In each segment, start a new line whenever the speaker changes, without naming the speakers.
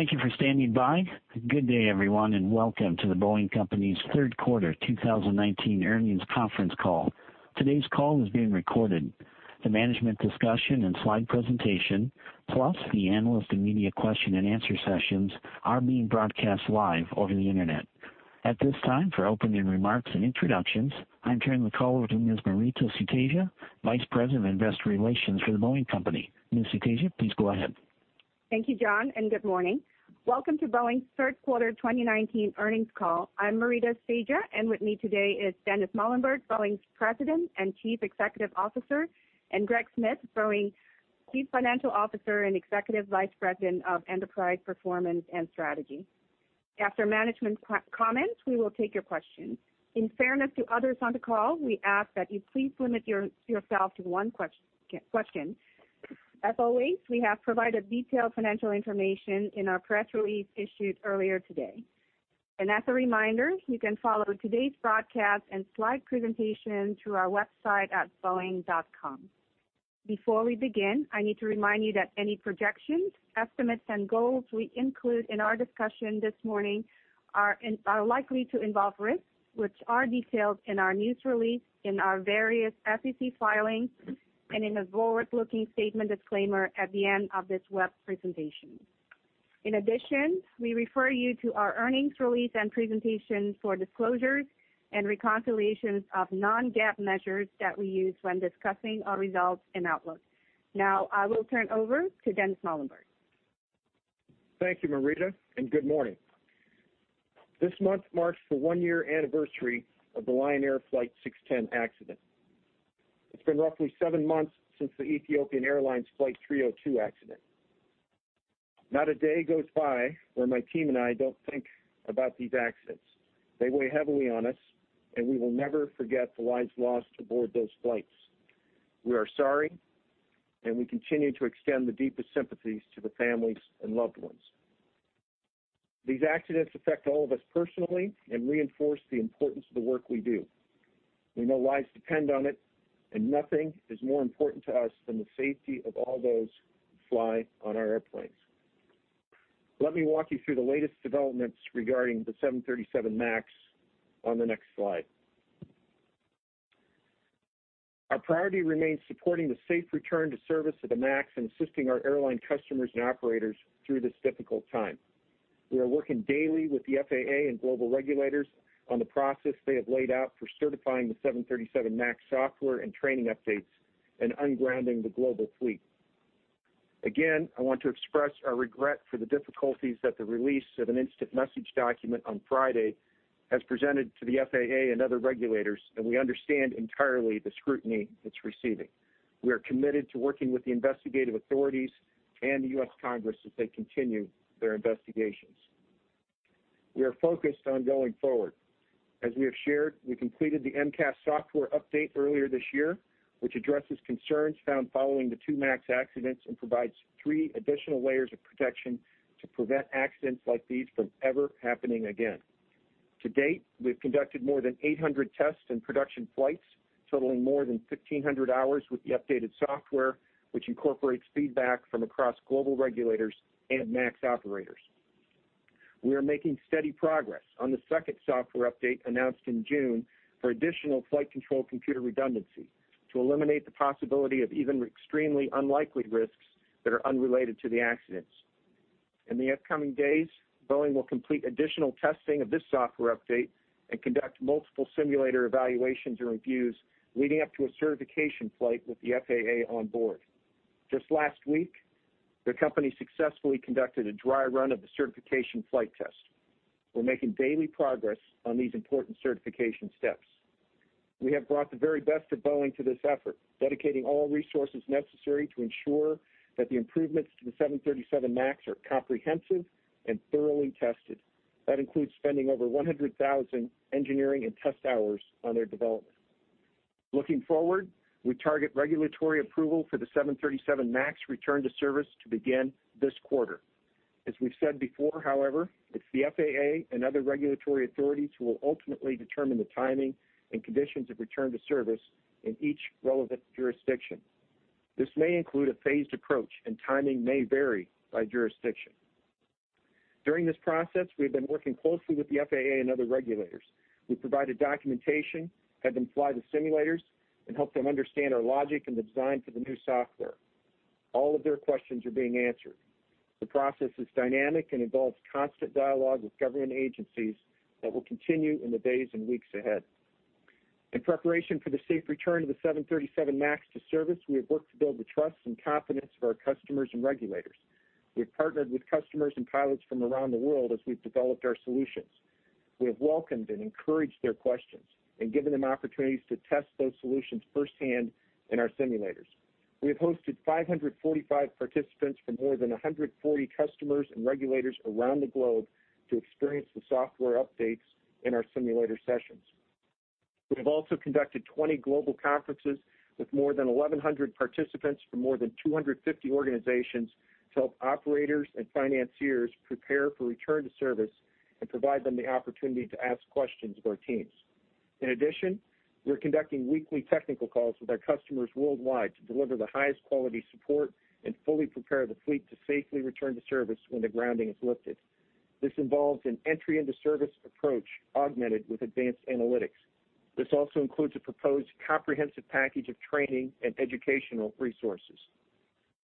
Thank you for standing by. Good day, everyone, welcome to The Boeing Company's Third Quarter 2019 Earnings Conference Call. Today's call is being recorded. The management discussion and slide presentation, plus the analyst and media question and answer sessions are being broadcast live over the internet. At this time, for opening remarks and introductions, I'm turning the call over to Maurita Sutedja, Vice President of Investor Relations for The Boeing Company. Ms. Sutedja, please go ahead.
Thank you, Jon. Good morning. Welcome to Boeing's third quarter 2019 earnings call. I'm Maurita Sutedja, and with me today is Dennis Muilenburg, Boeing's President and Chief Executive Officer, and Greg Smith, Boeing's Chief Financial Officer and Executive Vice President of Enterprise Performance and Strategy. After management's comments, we will take your questions. In fairness to others on the call, we ask that you please limit yourself to one question. As always, we have provided detailed financial information in our press release issued earlier today. As a reminder, you can follow today's broadcast and slide presentation through our website at boeing.com. Before we begin, I need to remind you that any projections, estimates, and goals we include in our discussion this morning are likely to involve risks, which are detailed in our news release, in our various SEC filings, and in a forward-looking statement disclaimer at the end of this web presentation. In addition, we refer you to our earnings release and presentation for disclosures and reconciliations of non-GAAP measures that we use when discussing our results and outlook. Now, I will turn over to Dennis Muilenburg.
Thank you, Maurita, good morning. This month marks the one-year anniversary of the Lion Air Flight 610 accident. It's been roughly seven months since the Ethiopian Airlines Flight 302 accident. Not a day goes by where my team and I don't think about these accidents. They weigh heavily on us, we will never forget the lives lost aboard those flights. We are sorry, we continue to extend the deepest sympathies to the families and loved ones. These accidents affect all of us personally and reinforce the importance of the work we do. We know lives depend on it, nothing is more important to us than the safety of all those who fly on our airplanes. Let me walk you through the latest developments regarding the 737 MAX on the next slide. Our priority remains supporting the safe return to service of the MAX and assisting our airline customers and operators through this difficult time. We are working daily with the FAA and global regulators on the process they have laid out for certifying the 737 MAX software and training updates and ungrounding the global fleet. Again, I want to express our regret for the difficulties that the release of an instant message document on Friday has presented to the FAA and other regulators, and we understand entirely the scrutiny it's receiving. We are committed to working with the investigative authorities and the U.S. Congress as they continue their investigations. We are focused on going forward. As we have shared, we completed the MCAS software update earlier this year, which addresses concerns found following the two MAX accidents and provides three additional layers of protection to prevent accidents like these from ever happening again. To date, we've conducted more than 800 tests and production flights, totaling more than 1,500 hours with the updated software, which incorporates feedback from across global regulators and MAX operators. We are making steady progress on the second software update announced in June for additional flight control computer redundancy to eliminate the possibility of even extremely unlikely risks that are unrelated to the accidents. In the upcoming days, Boeing will complete additional testing of this software update and conduct multiple simulator evaluations and reviews leading up to a certification flight with the FAA on board. Just last week, the company successfully conducted a dry run of the certification flight test. We're making daily progress on these important certification steps. We have brought the very best of Boeing to this effort, dedicating all resources necessary to ensure that the improvements to the 737 MAX are comprehensive and thoroughly tested. That includes spending over 100,000 engineering and test hours on their development. Looking forward, we target regulatory approval for the 737 MAX return to service to begin this quarter. As we've said before, however, it's the FAA and other regulatory authorities who will ultimately determine the timing and conditions of return to service in each relevant jurisdiction. This may include a phased approach, and timing may vary by jurisdiction. During this process, we have been working closely with the FAA and other regulators. We've provided documentation, had them fly the simulators, and helped them understand our logic and the design for the new software. All of their questions are being answered. The process is dynamic and involves constant dialogue with government agencies that will continue in the days and weeks ahead. In preparation for the safe return of the 737 MAX to service, we have worked to build the trust and confidence of our customers and regulators. We've partnered with customers and pilots from around the world as we've developed our solutions. We have welcomed and encouraged their questions and given them opportunities to test those solutions firsthand in our simulators. We have hosted 545 participants from more than 140 customers and regulators around the globe to experience the software updates in our simulator sessions. We have also conducted 20 global conferences with more than 1,100 participants from more than 250 organizations to help operators and financiers prepare for return to service and provide them the opportunity to ask questions of our teams. We're conducting weekly technical calls with our customers worldwide to deliver the highest quality support and fully prepare the fleet to safely return to service when the grounding is lifted. This involves an entry-into-service approach augmented with advanced analytics. This also includes a proposed comprehensive package of training and educational resources.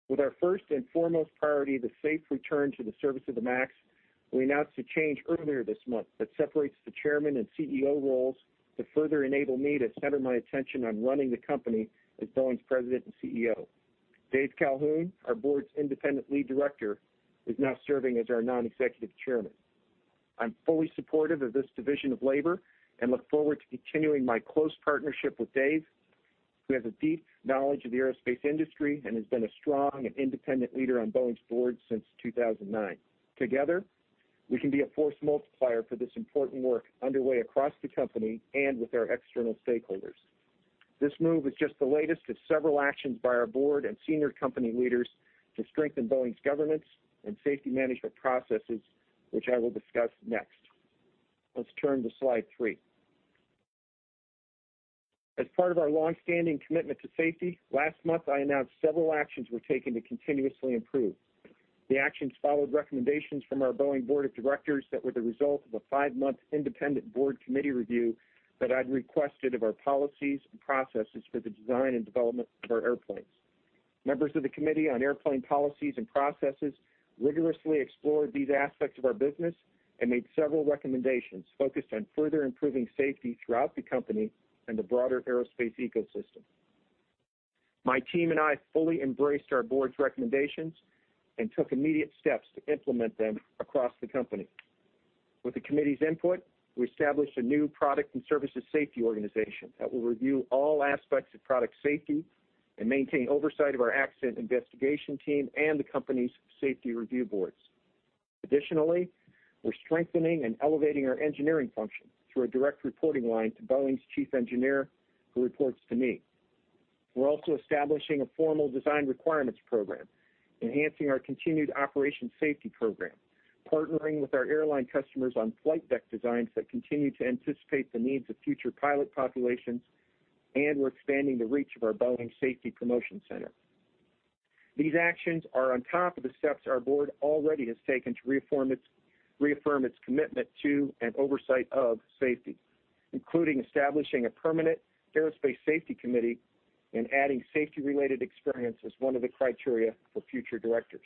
With our first and foremost priority, the safe return to the service of the MAX, we announced a change earlier this month that separates the Chairman and CEO roles to further enable me to center my attention on running the company as Boeing's President and CEO. David Calhoun, our board's Independent Lead Director, is now serving as our Non-Executive Chairman. I'm fully supportive of this division of labor and look forward to continuing my close partnership with Dave, who has a deep knowledge of the aerospace industry and has been a strong and independent leader on Boeing's Board since 2009. Together, we can be a force multiplier for this important work underway across the company and with our external stakeholders. This move is just the latest of several actions by our Board and senior company leaders to strengthen Boeing's governance and safety management processes, which I will discuss next. Let's turn to slide three. As part of our long-standing commitment to safety, last month I announced several actions were taken to continuously improve. The actions followed recommendations from our Boeing Board of Directors that were the result of a five-month independent Board Committee review that I'd requested of our policies and processes for the design and development of our airplanes. Members of the committee on airplane policies and processes rigorously explored these aspects of our business and made several recommendations focused on further improving safety throughout the company and the broader aerospace ecosystem. My team and I fully embraced our board's recommendations and took immediate steps to implement them across the company. With the committee's input, we established a new product and services safety organization that will review all aspects of product safety and maintain oversight of our accident investigation team and the company's safety review boards. Additionally, we're strengthening and elevating our engineering function through a direct reporting line to Boeing's Chief Engineer, who reports to me. We're also establishing a formal design requirements program, enhancing our continued operation safety program, partnering with our airline customers on flight deck designs that continue to anticipate the needs of future pilot populations, and we're expanding the reach of our Boeing Safety Promotion Center. These actions are on top of the steps our board already has taken to reaffirm its commitment to and oversight of safety, including establishing a permanent aerospace safety committee and adding safety-related experience as one of the criteria for future directors.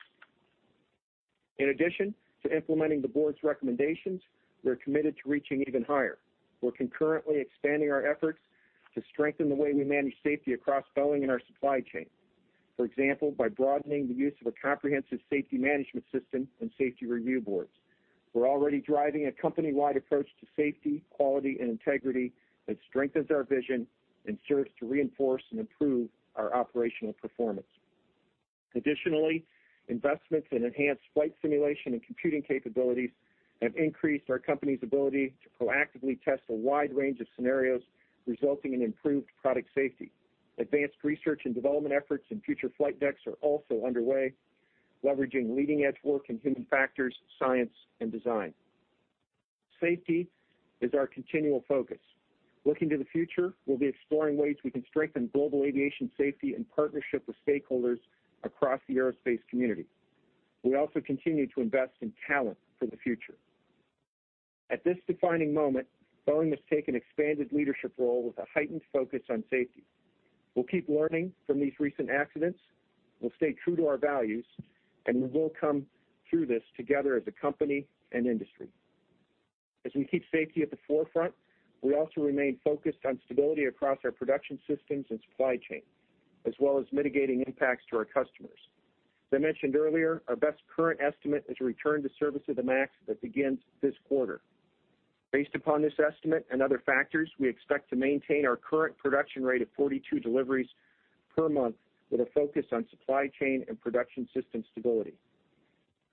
In addition to implementing the board's recommendations, we're committed to reaching even higher. We're concurrently expanding our efforts to strengthen the way we manage safety across Boeing and our supply chain. For example, by broadening the use of a comprehensive safety management system and safety review boards. We're already driving a company-wide approach to safety, quality, and integrity that strengthens our vision and serves to reinforce and improve our operational performance. Additionally, investments in enhanced flight simulation and computing capabilities have increased our company's ability to proactively test a wide range of scenarios, resulting in improved product safety. Advanced research and development efforts in future flight decks are also underway, leveraging leading-edge work in human factors, science, and design. Safety is our continual focus. Looking to the future, we'll be exploring ways we can strengthen global aviation safety and partnership with stakeholders across the aerospace community. We also continue to invest in talent for the future. At this defining moment, Boeing must take an expanded leadership role with a heightened focus on safety. We'll keep learning from these recent accidents, we'll stay true to our values, and we will come through this together as a company and industry. As we keep safety at the forefront, we also remain focused on stability across our production systems and supply chain, as well as mitigating impacts to our customers. As I mentioned earlier, our best current estimate is a return to service of the MAX that begins this quarter. Based upon this estimate and other factors, we expect to maintain our current production rate of 42 deliveries per month with a focus on supply chain and production system stability.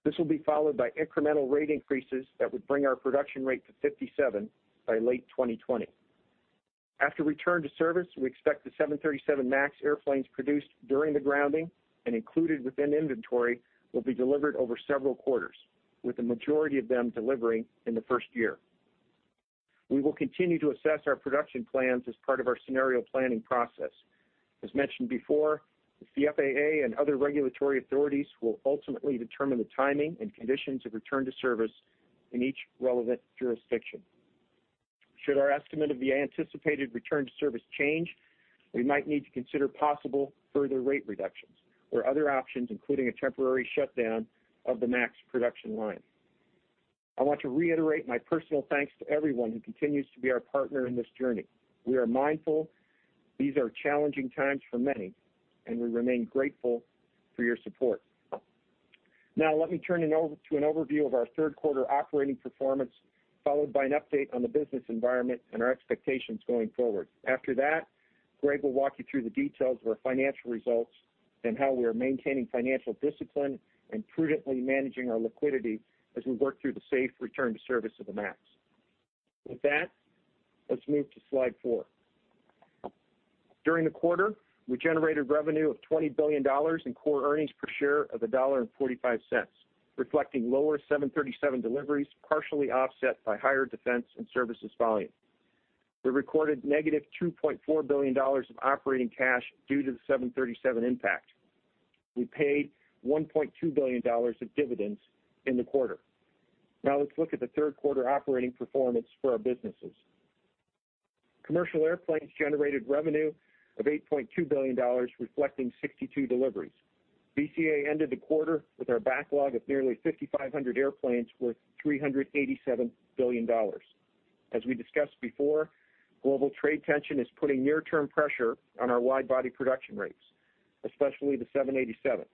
This will be followed by incremental rate increases that would bring our production rate to 57 by late 2020. After return to service, we expect the 737 MAX airplanes produced during the grounding and included within inventory, will be delivered over several quarters, with the majority of them delivering in the first year. We will continue to assess our production plans as part of our scenario planning process. As mentioned before, the FAA and other regulatory authorities will ultimately determine the timing and conditions of return to service in each relevant jurisdiction. Should our estimate of the anticipated return to service change, we might need to consider possible further rate reductions or other options, including a temporary shutdown of the MAX production line. I want to reiterate my personal thanks to everyone who continues to be our partner in this journey. We are mindful these are challenging times for many, and we remain grateful for your support. Let me turn to an overview of our third quarter operating performance, followed by an update on the business environment and our expectations going forward. After that, Greg Smith will walk you through the details of our financial results and how we are maintaining financial discipline and prudently managing our liquidity as we work through the safe return to service of the MAX. With that, let's move to slide four. During the quarter, we generated revenue of $20 billion in core earnings per share of $1.45, reflecting lower 737 deliveries, partially offset by higher defense and services volume. We recorded negative $2.4 billion of operating cash due to the 737 impact. We paid $1.2 billion of dividends in the quarter. Now let's look at the third quarter operating performance for our businesses. Commercial Airplanes generated revenue of $8.2 billion, reflecting 62 deliveries. BCA ended the quarter with our backlog of nearly 5,500 airplanes worth $387 billion. As we discussed before, global trade tension is putting near-term pressure on our wide-body production rates, especially the 787.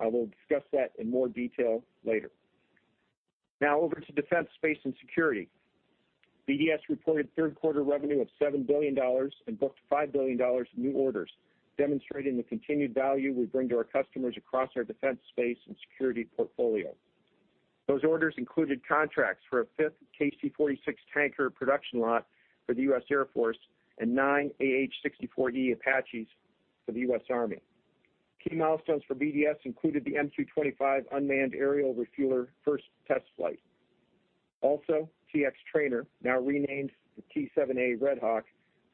I will discuss that in more detail later. Now over to Defense, Space & Security. BDS reported third quarter revenue of $7 billion and booked $5 billion in new orders, demonstrating the continued value we bring to our customers across our defense, space and security portfolio. Those orders included contracts for a fifth KC-46 Tanker production lot for the U.S. Air Force and nine AH-64E Apaches for the U.S. Army. Key milestones for BDS included the MQ-25 unmanned aerial refueler first test flight. Also, T-X trainer, now renamed the T-7A Red Hawk,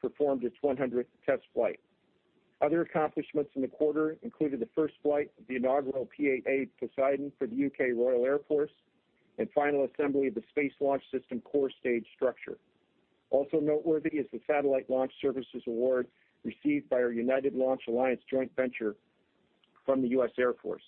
performed its 100th test flight. Other accomplishments in the quarter included the first flight of the inaugural P-8A Poseidon for the U.K. Royal Air Force and final assembly of the Space Launch System core stage structure. Also noteworthy is the satellite launch services award received by our United Launch Alliance joint venture from the U.S. Air Force.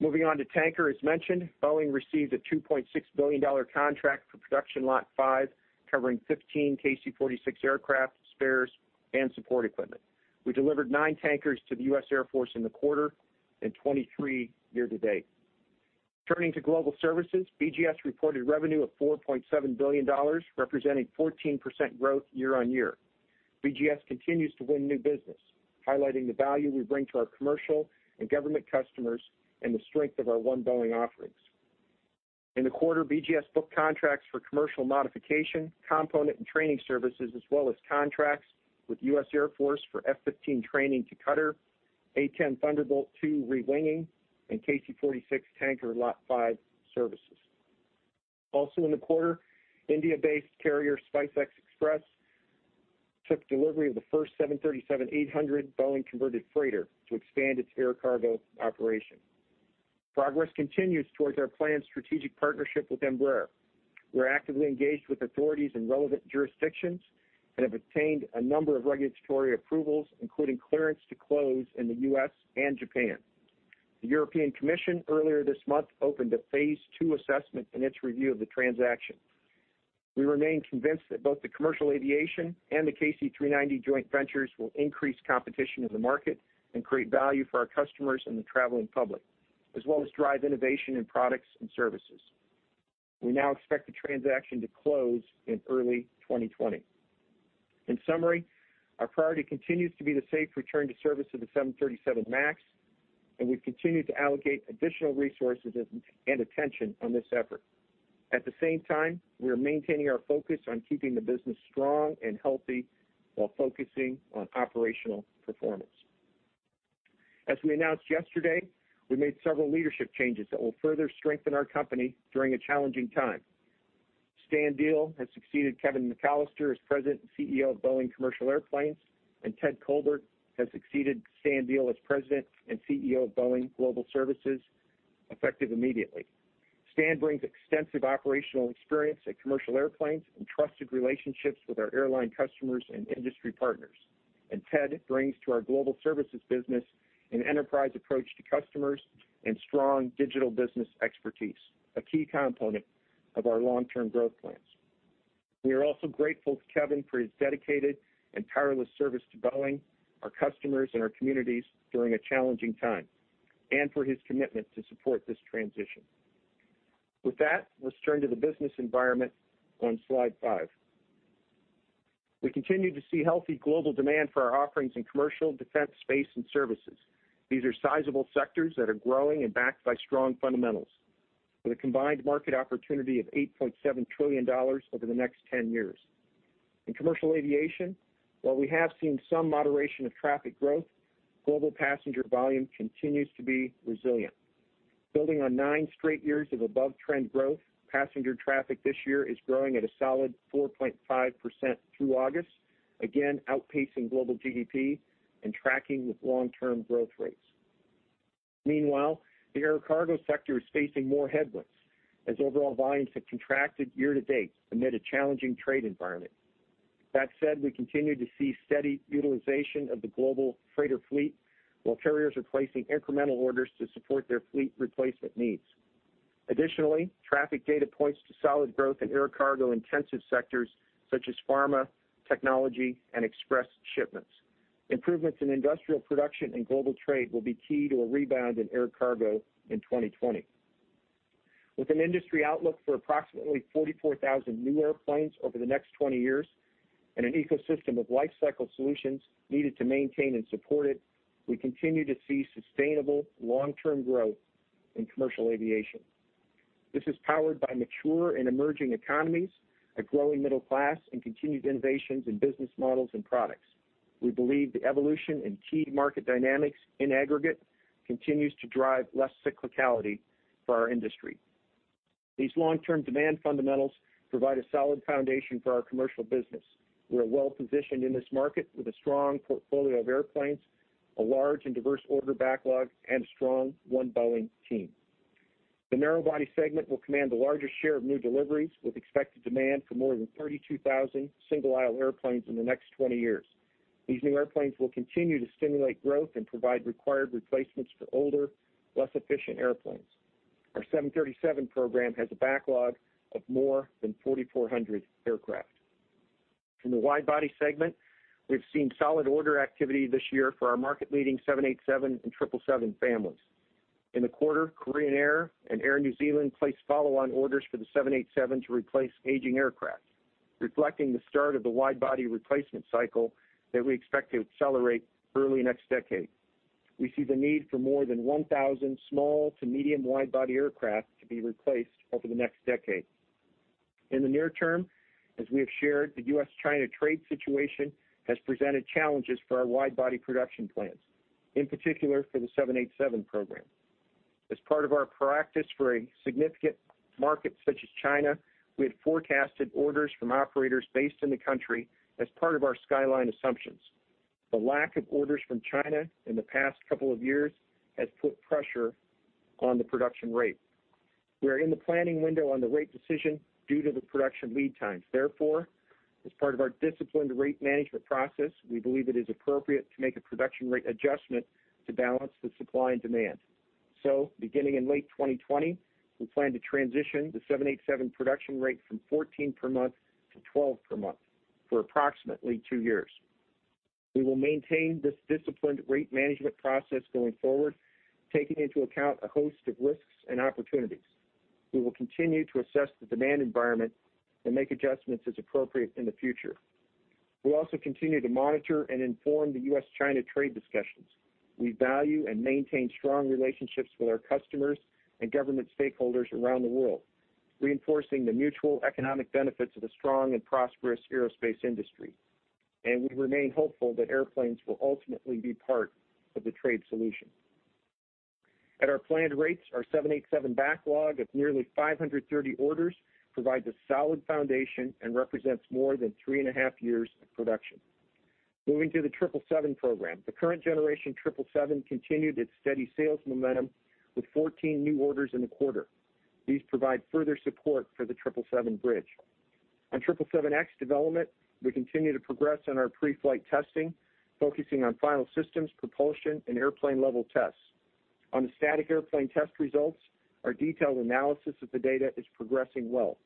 Moving on to Tanker. As mentioned, Boeing received a $2.6 billion contract for production Lot 5, covering 15 KC-46 aircraft, spares, and support equipment. We delivered nine tankers to the U.S. Air Force in the quarter and 23 year-to-date. Turning to Global Services, BGS reported revenue of $4.7 billion, representing 14% growth year-on-year. BGS continues to win new business, highlighting the value we bring to our commercial and government customers and the strength of our One Boeing offerings. In the quarter, BGS booked contracts for commercial modification, component and training services, as well as contracts with U.S. Air Force for F-15 training to Qatar, A-10 Thunderbolt II rewinging, and KC-46 Tanker Lot 5 services. Also in the quarter, India-based carrier SpiceXpress took delivery of the first 737-800 Boeing converted freighter to expand its air cargo operation. Progress continues towards our planned strategic partnership with Embraer. We're actively engaged with authorities in relevant jurisdictions and have obtained a number of regulatory approvals, including clearance to close in the U.S. and Japan. The European Commission, earlier this month, opened a phase two assessment in its review of the transaction. We remain convinced that both the commercial aviation and the KC-390 joint ventures will increase competition in the market and create value for our customers and the traveling public, as well as drive innovation in products and services. We now expect the transaction to close in early 2020. In summary, our priority continues to be the safe return to service of the 737 MAX, and we've continued to allocate additional resources and attention on this effort. At the same time, we are maintaining our focus on keeping the business strong and healthy while focusing on operational performance. As we announced yesterday, we made several leadership changes that will further strengthen our company during a challenging time. Stan Deal has succeeded Kevin McAllister as President and CEO of Boeing Commercial Airplanes, and Ted Colbert has succeeded Stan Deal as President and CEO of Boeing Global Services, effective immediately. Stan brings extensive operational experience at commercial airplanes and trusted relationships with our airline customers and industry partners. Ted brings to our global services business an enterprise approach to customers and strong digital business expertise, a key component of our long-term growth plans. We are also grateful to Kevin for his dedicated and tireless service to Boeing, our customers, and our communities during a challenging time, and for his commitment to support this transition. With that, let's turn to the business environment on slide five. We continue to see healthy global demand for our offerings in commercial, defense, space, and services. These are sizable sectors that are growing and backed by strong fundamentals, with a combined market opportunity of $8.7 trillion over the next 10 years. In commercial aviation, while we have seen some moderation of traffic growth, global passenger volume continues to be resilient. Building on nine straight years of above-trend growth, passenger traffic this year is growing at a solid 4.5% through August, again, outpacing global GDP and tracking with long-term growth rates. Meanwhile, the air cargo sector is facing more headwinds as overall volumes have contracted year to date amid a challenging trade environment. That said, we continue to see steady utilization of the global freighter fleet while carriers are placing incremental orders to support their fleet replacement needs. Additionally, traffic data points to solid growth in air cargo-intensive sectors such as pharma, technology, and express shipments. Improvements in industrial production and global trade will be key to a rebound in air cargo in 2020. With an industry outlook for approximately 44,000 new airplanes over the next 20 years and an ecosystem of life cycle solutions needed to maintain and support it, we continue to see sustainable long-term growth in commercial aviation. This is powered by mature and emerging economies, a growing middle class, and continued innovations in business models and products. We believe the evolution in key market dynamics in aggregate continues to drive less cyclicality for our industry. These long-term demand fundamentals provide a solid foundation for our commercial business. We are well-positioned in this market with a strong portfolio of airplanes, a large and diverse order backlog, and a strong One Boeing team. The narrow body segment will command the largest share of new deliveries, with expected demand for more than 32,000 single-aisle airplanes in the next 20 years. These new airplanes will continue to stimulate growth and provide required replacements for older, less efficient airplanes. Our 737 program has a backlog of more than 4,400 aircraft. In the wide body segment, we've seen solid order activity this year for our market-leading 787 and 777 families. In the quarter, Korean Air and Air New Zealand placed follow-on orders for the 787 to replace aging aircraft, reflecting the start of the wide body replacement cycle that we expect to accelerate early next decade. We see the need for more than 1,000 small to medium wide-body aircraft to be replaced over the next decade. In the near term, as we have shared, the U.S.-China trade situation has presented challenges for our wide-body production plans, in particular for the 787 program. As part of our practice for a significant market such as China, we had forecasted orders from operators based in the country as part of our baseline assumptions. The lack of orders from China in the past couple of years has put pressure on the production rate. We are in the planning window on the rate decision due to the production lead times. Therefore, as part of our disciplined rate management process, we believe it is appropriate to make a production rate adjustment to balance the supply and demand. Beginning in late 2020, we plan to transition the 787 production rate from 14 per month to 12 per month for approximately two years. We will maintain this disciplined rate management process going forward, taking into account a host of risks and opportunities. We will continue to assess the demand environment and make adjustments as appropriate in the future. We'll also continue to monitor and inform the U.S.-China trade discussions. We value and maintain strong relationships with our customers and government stakeholders around the world, reinforcing the mutual economic benefits of a strong and prosperous aerospace industry, we remain hopeful that airplanes will ultimately be part of the trade solution. At our planned rates, our 787 backlog of nearly 530 orders provides a solid foundation and represents more than 3.5 years of production. Moving to the 777 program. The current generation 777 continued its steady sales momentum with 14 new orders in the quarter. These provide further support for the 777 bridge. On 777X development, we continue to progress on our pre-flight testing, focusing on final systems, propulsion, and airplane level tests. On the static airplane test results, our detailed analysis of the data is progressing well.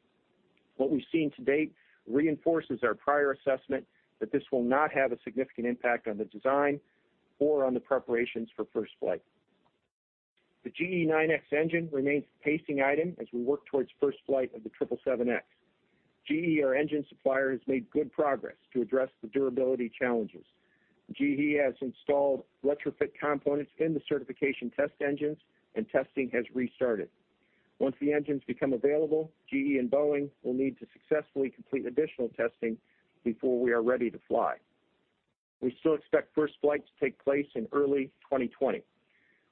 What we've seen to date reinforces our prior assessment that this will not have a significant impact on the design or on the preparations for first flight. The GE9X engine remains the pacing item as we work towards first flight of the 777X. GE, our engine supplier, has made good progress to address the durability challenges. GE has installed retrofit components in the certification test engines, and testing has restarted. Once the engines become available, GE and Boeing will need to successfully complete additional testing before we are ready to fly. We still expect first flight to take place in early 2020.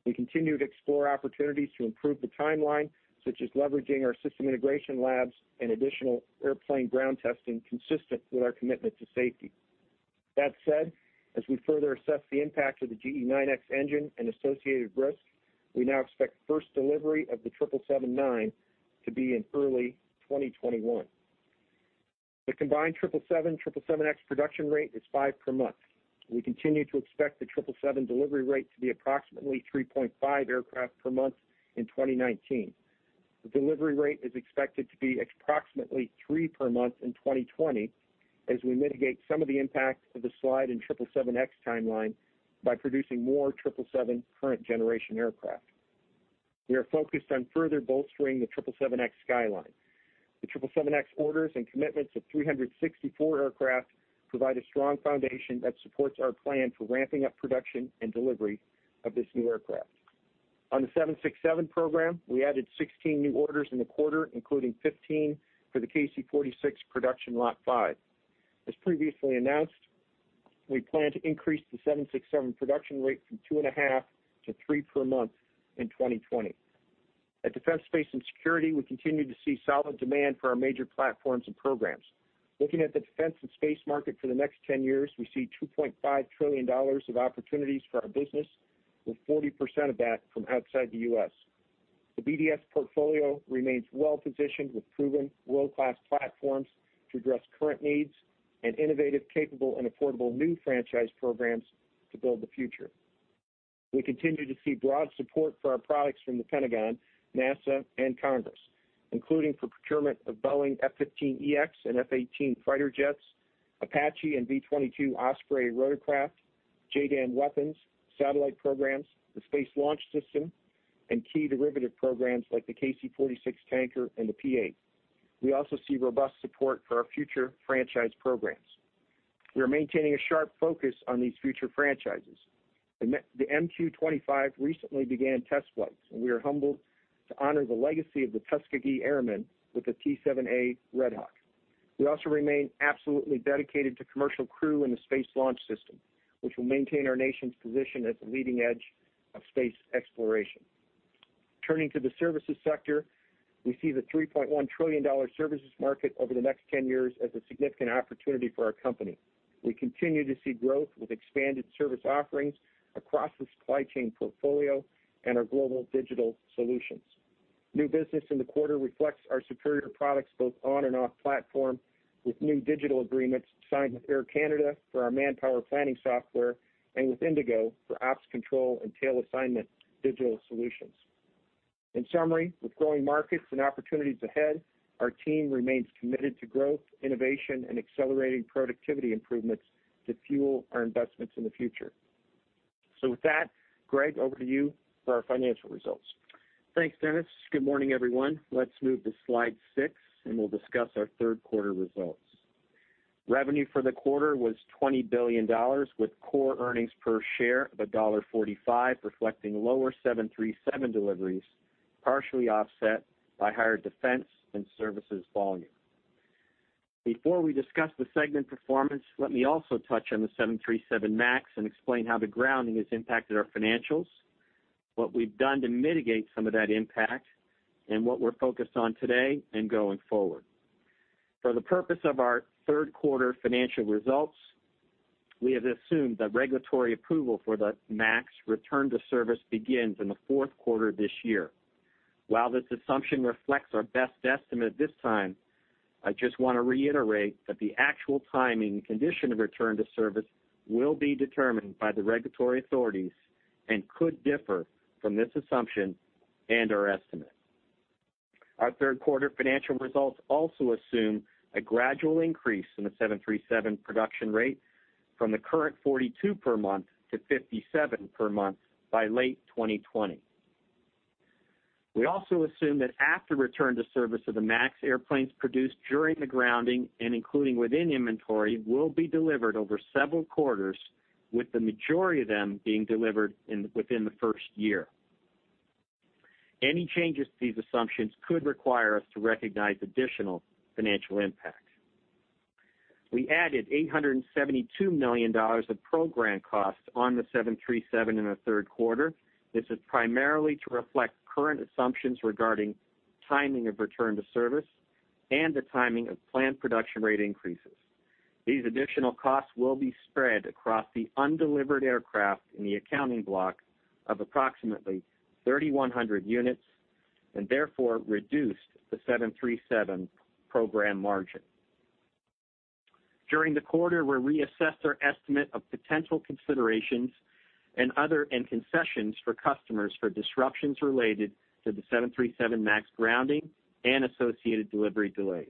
We continue to explore opportunities to improve the timeline, such as leveraging our system integration labs and additional airplane ground testing consistent with our commitment to safety. That said, as we further assess the impact of the GE9X engine and associated risks, we now expect first delivery of the 777-9 to be in early 2021. The combined 777, 777X production rate is five per month. We continue to expect the 777 delivery rate to be approximately three and a half aircraft per month in 2019. The delivery rate is expected to be approximately three per month in 2020 as we mitigate some of the impact of the slide in 777X timeline by producing more 777 current generation aircraft. We are focused on further bolstering the 777X timeline. The 777X orders and commitments of 364 aircraft provide a strong foundation that supports our plan for ramping up production and delivery of this new aircraft. On the 767 program, we added 16 new orders in the quarter, including 15 for the KC-46 production lot five. As previously announced, we plan to increase the 767 production rate from two and a half to three per month in 2020. At Defense, Space & Security, we continue to see solid demand for our major platforms and programs. Looking at the defense and space market for the next 10 years, we see $2.5 trillion of opportunities for our business, with 40% of that from outside the U.S. The BDS portfolio remains well-positioned with proven world-class platforms to address current needs and innovative, capable, and affordable new franchise programs to build the future. We continue to see broad support for our products from the Pentagon, NASA, and Congress, including for procurement of Boeing F-15EX and F-18 fighter jets, Apache and V-22 Osprey rotorcraft, JDAM weapons, satellite programs, the Space Launch System, and key derivative programs like the KC-46 tanker and the P-8. We also see robust support for our future franchise programs. We are maintaining a sharp focus on these future franchises. The MQ-25 recently began test flights, and we are humbled to honor the legacy of the Tuskegee Airmen with the T-7A Red Hawk. We also remain absolutely dedicated to commercial crew and the Space Launch System, which will maintain our nation's position at the leading edge of space exploration. Turning to the services sector, we see the $3.1 trillion services market over the next 10 years as a significant opportunity for our company. We continue to see growth with expanded service offerings across the supply chain portfolio and our global digital solutions. New business in the quarter reflects our superior products both on and off platform with new digital agreements signed with Air Canada for our manpower planning software and with IndiGo for ops control and tail assignment digital solutions. In summary, with growing markets and opportunities ahead, our team remains committed to growth, innovation, and accelerating productivity improvements to fuel our investments in the future. With that, Greg, over to you for our financial results.
Thanks, Dennis. Good morning, everyone. Let's move to slide six, and we'll discuss our third quarter results. Revenue for the quarter was $20 billion, with core earnings per share of $1.45, reflecting lower 737 deliveries, partially offset by higher defense and services volume. Before we discuss the segment performance, let me also touch on the 737 MAX and explain how the grounding has impacted our financials, what we've done to mitigate some of that impact, and what we're focused on today and going forward. For the purpose of our third quarter financial results, we have assumed that regulatory approval for the MAX return to service begins in the fourth quarter of this year. While this assumption reflects our best estimate at this time, I just want to reiterate that the actual timing and condition of return to service will be determined by the regulatory authorities and could differ from this assumption and our estimate. Our third quarter financial results also assume a gradual increase in the 737 production rate from the current 42 per month to 57 per month by late 2020. We also assume that after return to service of the MAX airplanes produced during the grounding and including within inventory, will be delivered over several quarters, with the majority of them being delivered within the first year. Any changes to these assumptions could require us to recognize additional financial impacts. We added $872 million of program costs on the 737 in the third quarter. This is primarily to reflect current assumptions regarding timing of return to service and the timing of planned production rate increases. These additional costs will be spread across the undelivered aircraft in the accounting block of approximately 3,100 units. Therefore reduced the 737 program margin. During the quarter, we reassessed our estimate of potential considerations and concessions for customers for disruptions related to the 737 MAX grounding and associated delivery delays.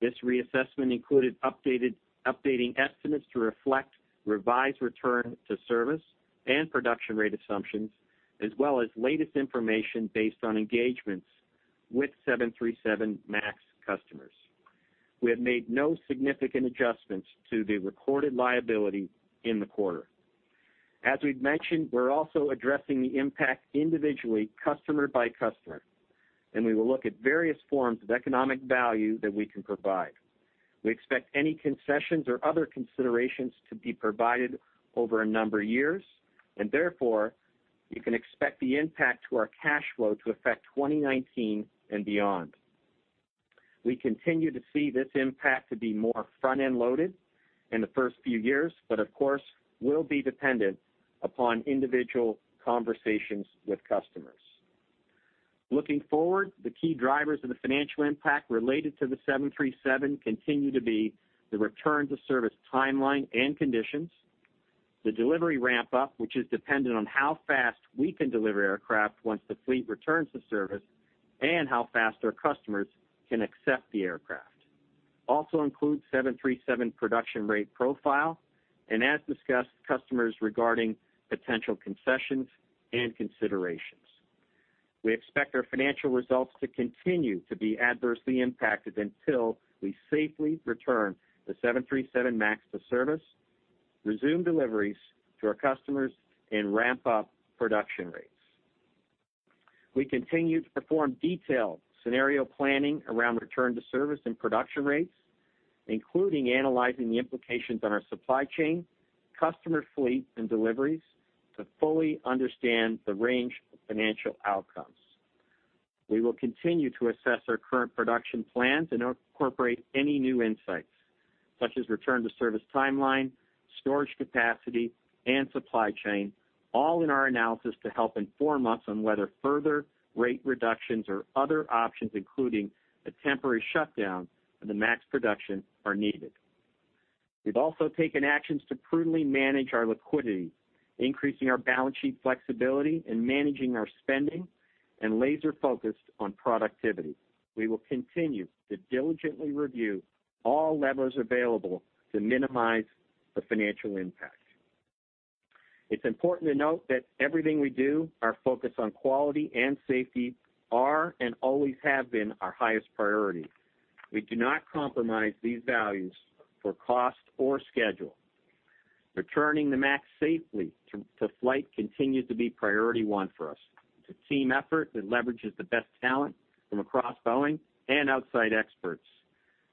This reassessment included updating estimates to reflect revised return to service and production rate assumptions, as well as latest information based on engagements with 737 MAX customers. We have made no significant adjustments to the recorded liability in the quarter. As we've mentioned, we're also addressing the impact individually, customer by customer. We will look at various forms of economic value that we can provide. We expect any concessions or other considerations to be provided over a number of years. Therefore, you can expect the impact to our cash flow to affect 2019 and beyond. We continue to see this impact to be more front-end loaded in the first few years. Of course, will be dependent upon individual conversations with customers. Looking forward, the key drivers of the financial impact related to the 737 continue to be the return to service timeline and conditions, the delivery ramp-up, which is dependent on how fast we can deliver aircraft once the fleet returns to service, and how fast our customers can accept the aircraft, and also includes 737 production rate profile and as discussed, customers regarding potential concessions and considerations. We expect our financial results to continue to be adversely impacted until we safely return the 737 MAX to service, resume deliveries to our customers, and ramp up production rates. We continue to perform detailed scenario planning around return to service and production rates, including analyzing the implications on our supply chain, customer fleet, and deliveries to fully understand the range of financial outcomes. We will continue to assess our current production plans and incorporate any new insights, such as return to service timeline, storage capacity, and supply chain, all in our analysis to help inform us on whether further rate reductions or other options, including a temporary shutdown of the MAX production, are needed. We've also taken actions to prudently manage our liquidity, increasing our balance sheet flexibility and managing our spending and laser focused on productivity. We will continue to diligently review all levers available to minimize the financial impact. It's important to note that everything we do, our focus on quality and safety are, and always have been our highest priority. We do not compromise these values for cost or schedule. Returning the MAX safely to flight continues to be priority one for us. It's a team effort that leverages the best talent from across Boeing and outside experts.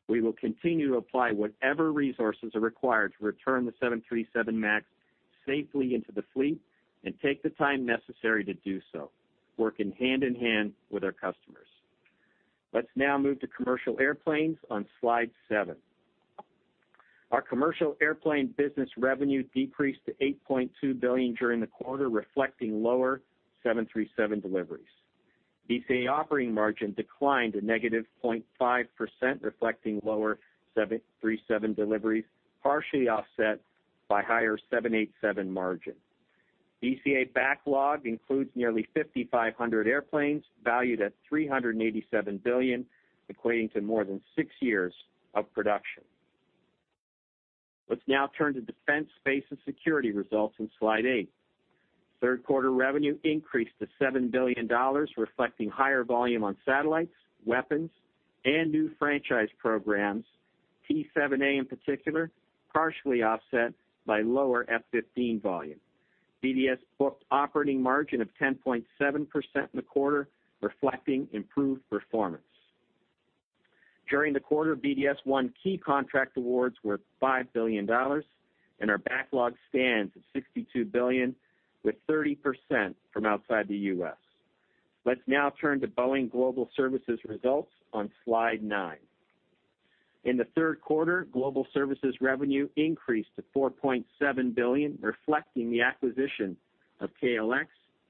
We will continue to apply whatever resources are required to return the 737 MAX safely into the fleet and take the time necessary to do so, working hand-in-hand with our customers. Let's now move to Commercial Airplanes on slide seven. Our Commercial Airplanes business revenue decreased to $8.2 billion during the quarter, reflecting lower 737 deliveries. BCA operating margin declined a -0.5%, reflecting lower 737 deliveries, partially offset by higher 787 margin. BCA backlog includes nearly 5,500 airplanes valued at $387 billion, equating to more than six years of production. Let's now turn to Defense, Space & Security results on slide eight. Third quarter revenue increased to $7 billion, reflecting higher volume on satellites, weapons, and new franchise programs, P-7A in particular, partially offset by lower F-15 volume. BDS booked operating margin of 10.7% in the quarter, reflecting improved performance. During the quarter, BDS won key contract awards worth $5 billion, and our backlog stands at $62 billion, with 30% from outside the U.S. Let's now turn to Boeing Global Services results on slide nine. In the third quarter, global services revenue increased to $4.7 billion, reflecting the acquisition of KLX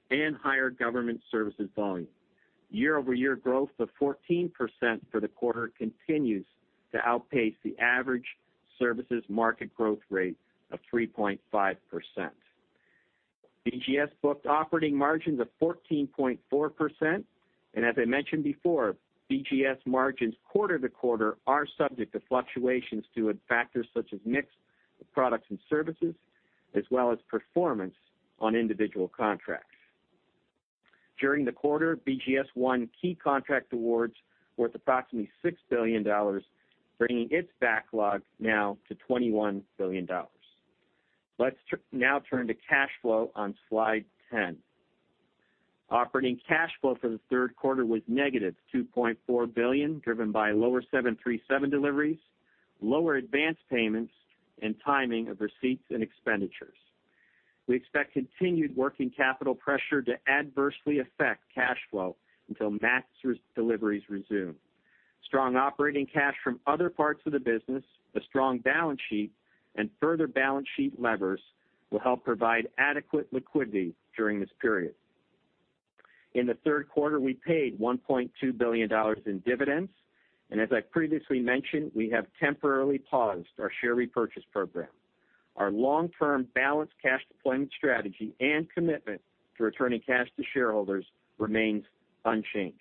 and higher government services volume. Year-over-year growth of 14% for the quarter continues to outpace the average services market growth rate of 3.5%. BGS booked operating margins of 14.4%. As I mentioned before, BGS margins quarter-to-quarter are subject to fluctuations due to factors such as mix of products and services, as well as performance on individual contracts. During the quarter, BGS won key contract awards worth approximately $6 billion, bringing its backlog now to $21 billion. Let's now turn to cash flow on slide 10. Operating cash flow for the third quarter was negative $2.4 billion, driven by lower 737 deliveries, lower advanced payments, and timing of receipts and expenditures. We expect continued working capital pressure to adversely affect cash flow until MAX deliveries resume. Strong operating cash from other parts of the business, a strong balance sheet, and further balance sheet levers will help provide adequate liquidity during this period. In the third quarter, we paid $1.2 billion in dividends, and as I previously mentioned, we have temporarily paused our share repurchase program. Our long-term balanced cash deployment strategy and commitment to returning cash to shareholders remains unchanged.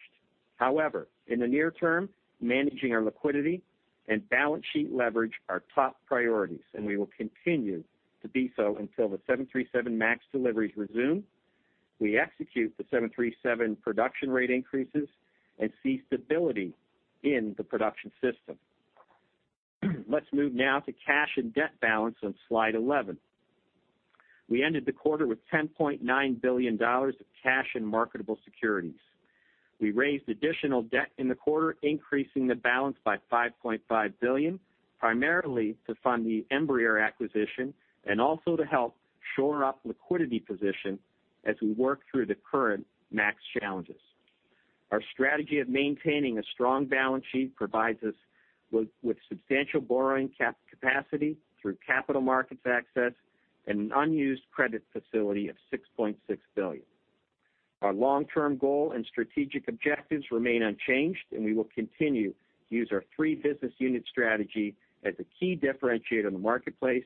However, in the near term, managing our liquidity and balance sheet leverage are top priorities, and we will continue to be so until the 737 MAX deliveries resume, we execute the 737 production rate increases, and see stability in the production system. Let's move now to cash and debt balance on slide 11. We ended the quarter with $10.9 billion of cash in marketable securities. We raised additional debt in the quarter, increasing the balance by $5.5 billion, primarily to fund the Embraer acquisition and also to help shore up liquidity position as we work through the current MAX challenges. Our strategy of maintaining a strong balance sheet provides us with substantial borrowing capacity through capital markets access and an unused credit facility of $6.6 billion. Our long-term goal and strategic objectives remain unchanged, and we will continue to use our three business unit strategy as a key differentiator in the marketplace,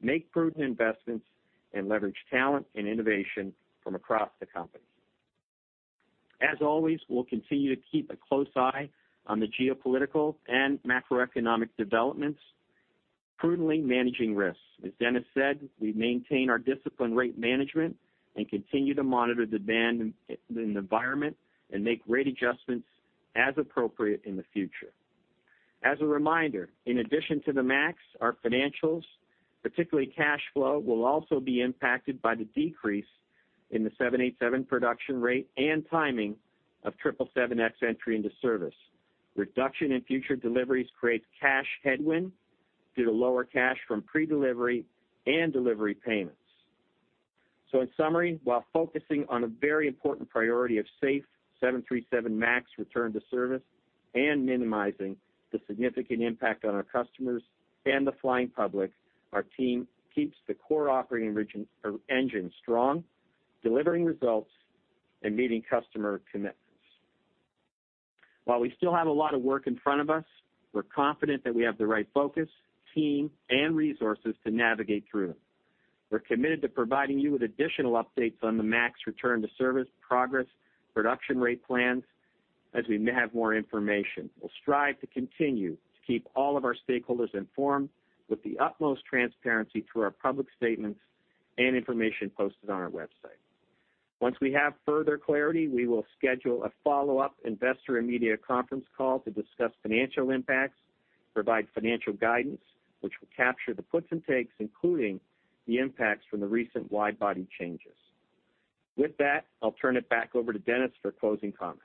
make prudent investments, and leverage talent and innovation from across the company. As always, we'll continue to keep a close eye on the geopolitical and macroeconomic developments, prudently managing risks. As Dennis said, we maintain our disciplined rate management and continue to monitor demand in the environment and make rate adjustments as appropriate in the future. As a reminder, in addition to the Max, our financials, particularly cash flow, will also be impacted by the decrease in the 787 production rate and timing of 777X entry into service. Reduction in future deliveries creates cash headwind due to lower cash from predelivery and delivery payments. In summary, while focusing on a very important priority of safe 737 MAX return to service and minimizing the significant impact on our customers and the flying public, our team keeps the core operating engine strong, delivering results, and meeting customer commitments. While we still have a lot of work in front of us, we're confident that we have the right focus, team, and resources to navigate through. We're committed to providing you with additional updates on the MAX return to service progress, production rate plans. We have more information, we'll strive to continue to keep all of our stakeholders informed with the utmost transparency through our public statements and information posted on our website. Once we have further clarity, we will schedule a follow-up investor and media conference call to discuss financial impacts, provide financial guidance, which will capture the puts and takes, including the impacts from the recent wide-body changes. With that, I'll turn it back over to Dennis for closing comments.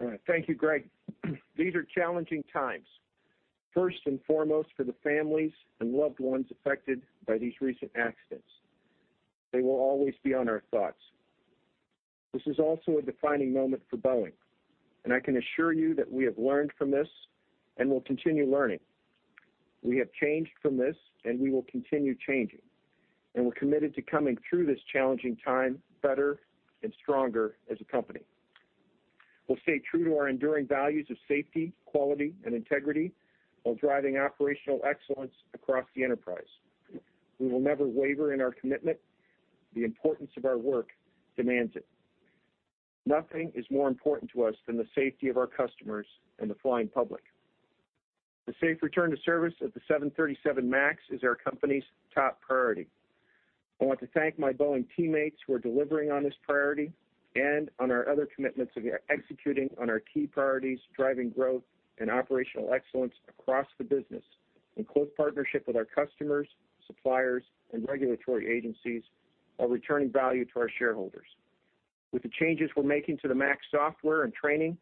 All right. Thank you, Greg. These are challenging times. First and foremost, for the families and loved ones affected by these recent accidents. They will always be on our thoughts. This is also a defining moment for Boeing, and I can assure you that we have learned from this and will continue learning. We have changed from this, and we will continue changing, and we're committed to coming through this challenging time better and stronger as a company. We'll stay true to our enduring values of safety, quality, and integrity while driving operational excellence across the enterprise. We will never waver in our commitment. The importance of our work demands it. Nothing is more important to us than the safety of our customers and the flying public. The safe return to service of the 737 MAX is our company's top priority. I want to thank my Boeing teammates who are delivering on this priority and on our other commitments of executing on our key priorities, driving growth, and operational excellence across the business in close partnership with our customers, suppliers, and regulatory agencies, while returning value to our shareholders. With the changes we're making to the MAX software and training,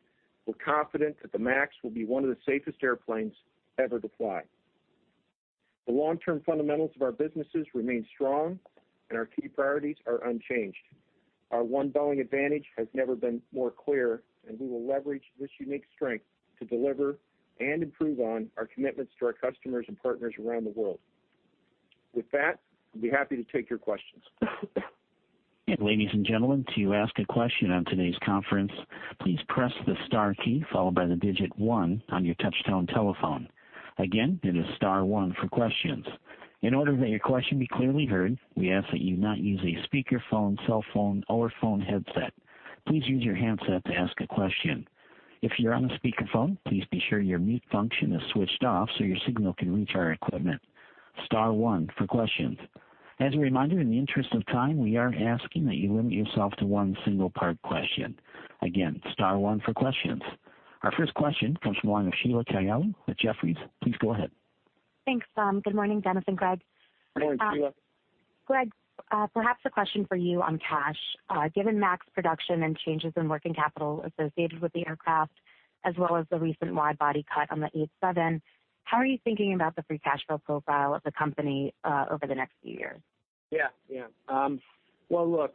we're confident that the MAX will be one of the safest airplanes ever to fly. The long-term fundamentals of our businesses remain strong and our key priorities are unchanged. Our One Boeing advantage has never been more clear, and we will leverage this unique strength to deliver and improve on our commitments to our customers and partners around the world. With that, we'll be happy to take your questions.
Ladies and gentlemen, to ask a question on today's conference, please press the star key followed by the digit one on your touchtone telephone. Again, it is star one for questions. In order that your question be clearly heard, we ask that you not use a speakerphone, cell phone, or phone headset. Please use your handset to ask a question. If you're on a speakerphone, please be sure your mute function is switched off so your signal can reach our equipment. Star one for questions. As a reminder, in the interest of time, we are asking that you limit yourself to one single part question. Again, star one for questions. Our first question comes from the line of Sheila Kahyaoglu with Jefferies. Please go ahead.
Thanks. Good morning, Dennis and Greg.
Good morning, Sheila.
Greg, perhaps a question for you on cash. Given MAX production and changes in working capital associated with the aircraft, as well as the recent wide-body cut on the 787, how are you thinking about the free cash flow profile of the company over the next few years?
Yeah. Well, look,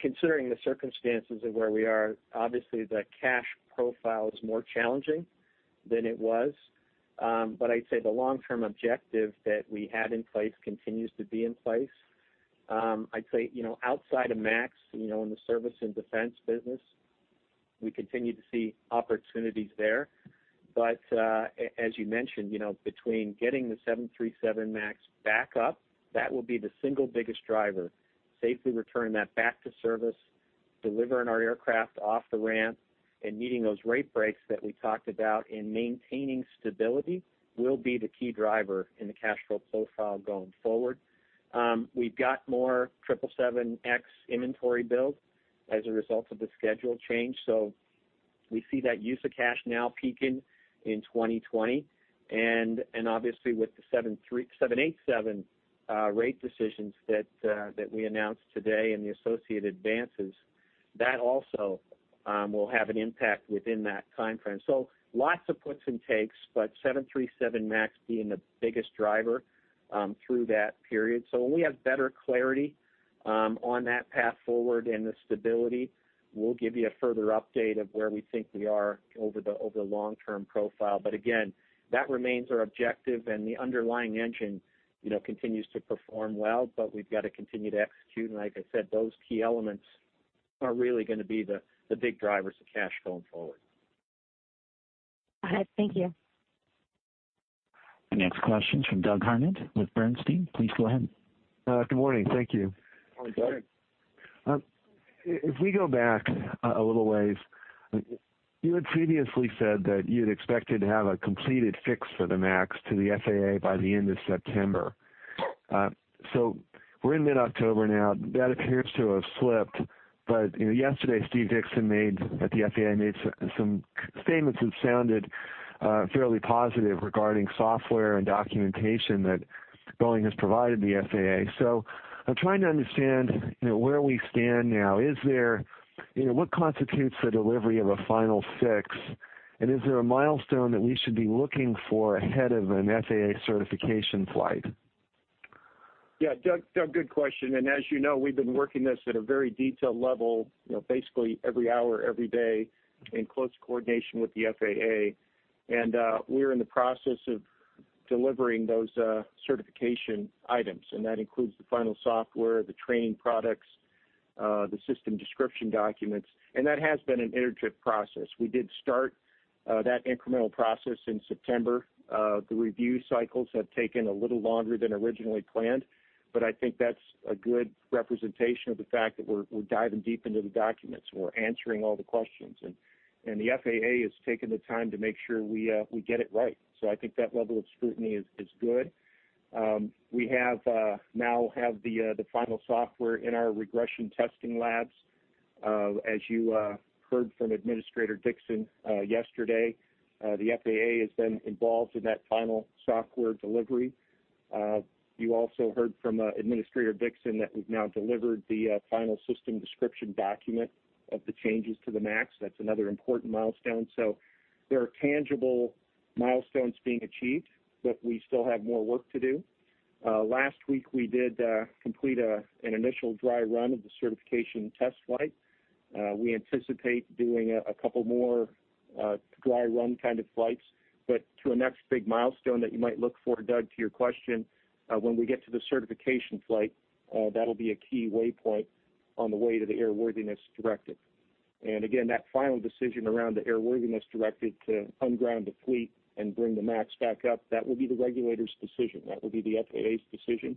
considering the circumstances of where we are, obviously, the cash profile is more challenging than it was. I'd say the long-term objective that we had in place continues to be in place. I'd say, outside of MAX, in the service and defense business, we continue to see opportunities there. As you mentioned, between getting the 737 MAX back up, that will be the single biggest driver. Safely returning that back to service, delivering our aircraft off the ramp, and meeting those rate breaks that we talked about and maintaining stability will be the key driver in the cash flow profile going forward. We've got more 777X inventory build as a result of the schedule change. We see that use of cash now peaking in 2020. Obviously, with the 787 rate decisions that we announced today and the associated advances, that also will have an impact within that timeframe. Lots of puts and takes, but 737 MAX being the biggest driver through that period. When we have better clarity on that path forward and the stability, we'll give you a further update of where we think we are over the long-term profile. Again, that remains our objective, and the underlying engine continues to perform well, but we've got to continue to execute. Like I said, those key elements are really going to be the big drivers of cash going forward.
All right. Thank you.
The next question is from Doug Harned with Bernstein. Please go ahead.
Good morning. Thank you.
Morning, Doug.
If we go back a little ways, you had previously said that you'd expected to have a completed fix for the MAX to the FAA by the end of September. We're in mid-October now. That appears to have slipped. Yesterday, Stephen Dickson at the FAA, made some statements that sounded fairly positive regarding software and documentation that Boeing has provided the FAA. I'm trying to understand where we stand now. What constitutes the delivery of a final fix, and is there a milestone that we should be looking for ahead of an FAA certification flight?
Yeah, Doug, good question. As you know, we've been working this at a very detailed level, basically every hour, every day, in close coordination with the FAA. We're in the process of delivering those certification items, and that includes the final software, the training products, the system description documents, and that has been an iterative process. We did start that incremental process in September, the review cycles have taken a little longer than originally planned, but I think that's a good representation of the fact that we're diving deep into the documents, and we're answering all the questions, and the FAA has taken the time to make sure we get it right. I think that level of scrutiny is good. We have now the final software in our regression testing labs. As you heard from Administrator Dickson yesterday, the FAA has been involved in that final software delivery. You also heard from Administrator Dickson that we've now delivered the final system description document of the changes to the MAX. That's another important milestone. There are tangible milestones being achieved, but we still have more work to do. Last week we did complete an initial dry run of the certification test flight. We anticipate doing a couple more dry run kind of flights, but to a next big milestone that you might look for, Doug, to your question, when we get to the certification flight, that'll be a key way point on the way to the airworthiness directive. Again, that final decision around the airworthiness directive to unground the fleet and bring the MAX back up, that will be the regulator's decision. That will be the FAA's decision.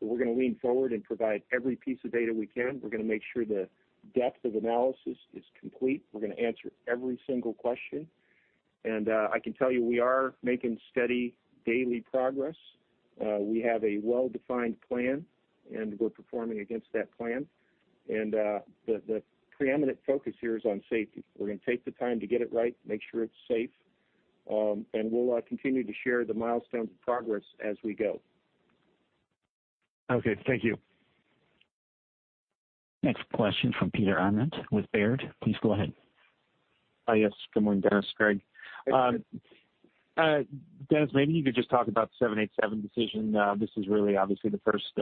We're going to lean forward and provide every piece of data we can. We're going to make sure the depth of analysis is complete. We're going to answer every single question. I can tell you, we are making steady daily progress. We have a well-defined plan, and we're performing against that plan. The preeminent focus here is on safety. We're going to take the time to get it right, make sure it's safe, and we'll continue to share the milestones of progress as we go.
Okay. Thank you.
Next question from Peter Arment with Baird. Please go ahead.
Yes. Good morning, Dennis, Greg. Dennis, maybe you could just talk about the 787 decision. This is really obviously the first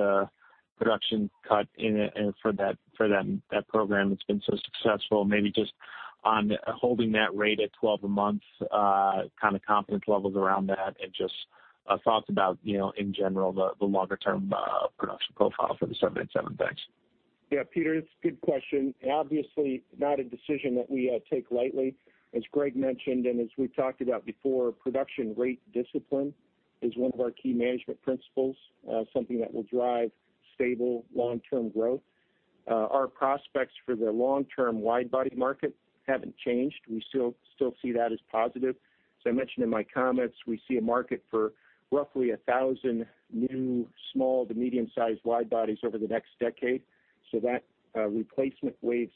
production cut for that program that's been so successful. Maybe just on holding that rate at 12 a month, kind of confidence levels around that and just thoughts about, in general, the longer-term production profile for the 787. Thanks.
Yeah, Peter, it's a good question. Obviously, not a decision that we take lightly. As Greg mentioned, and as we've talked about before, production rate discipline is one of our key management principles, something that will drive stable long-term growth. Our prospects for the long-term wide-body market haven't changed. We still see that as positive. As I mentioned in my comments, we see a market for roughly 1,000 new small to medium-sized wide bodies over the next decade. That replacement wave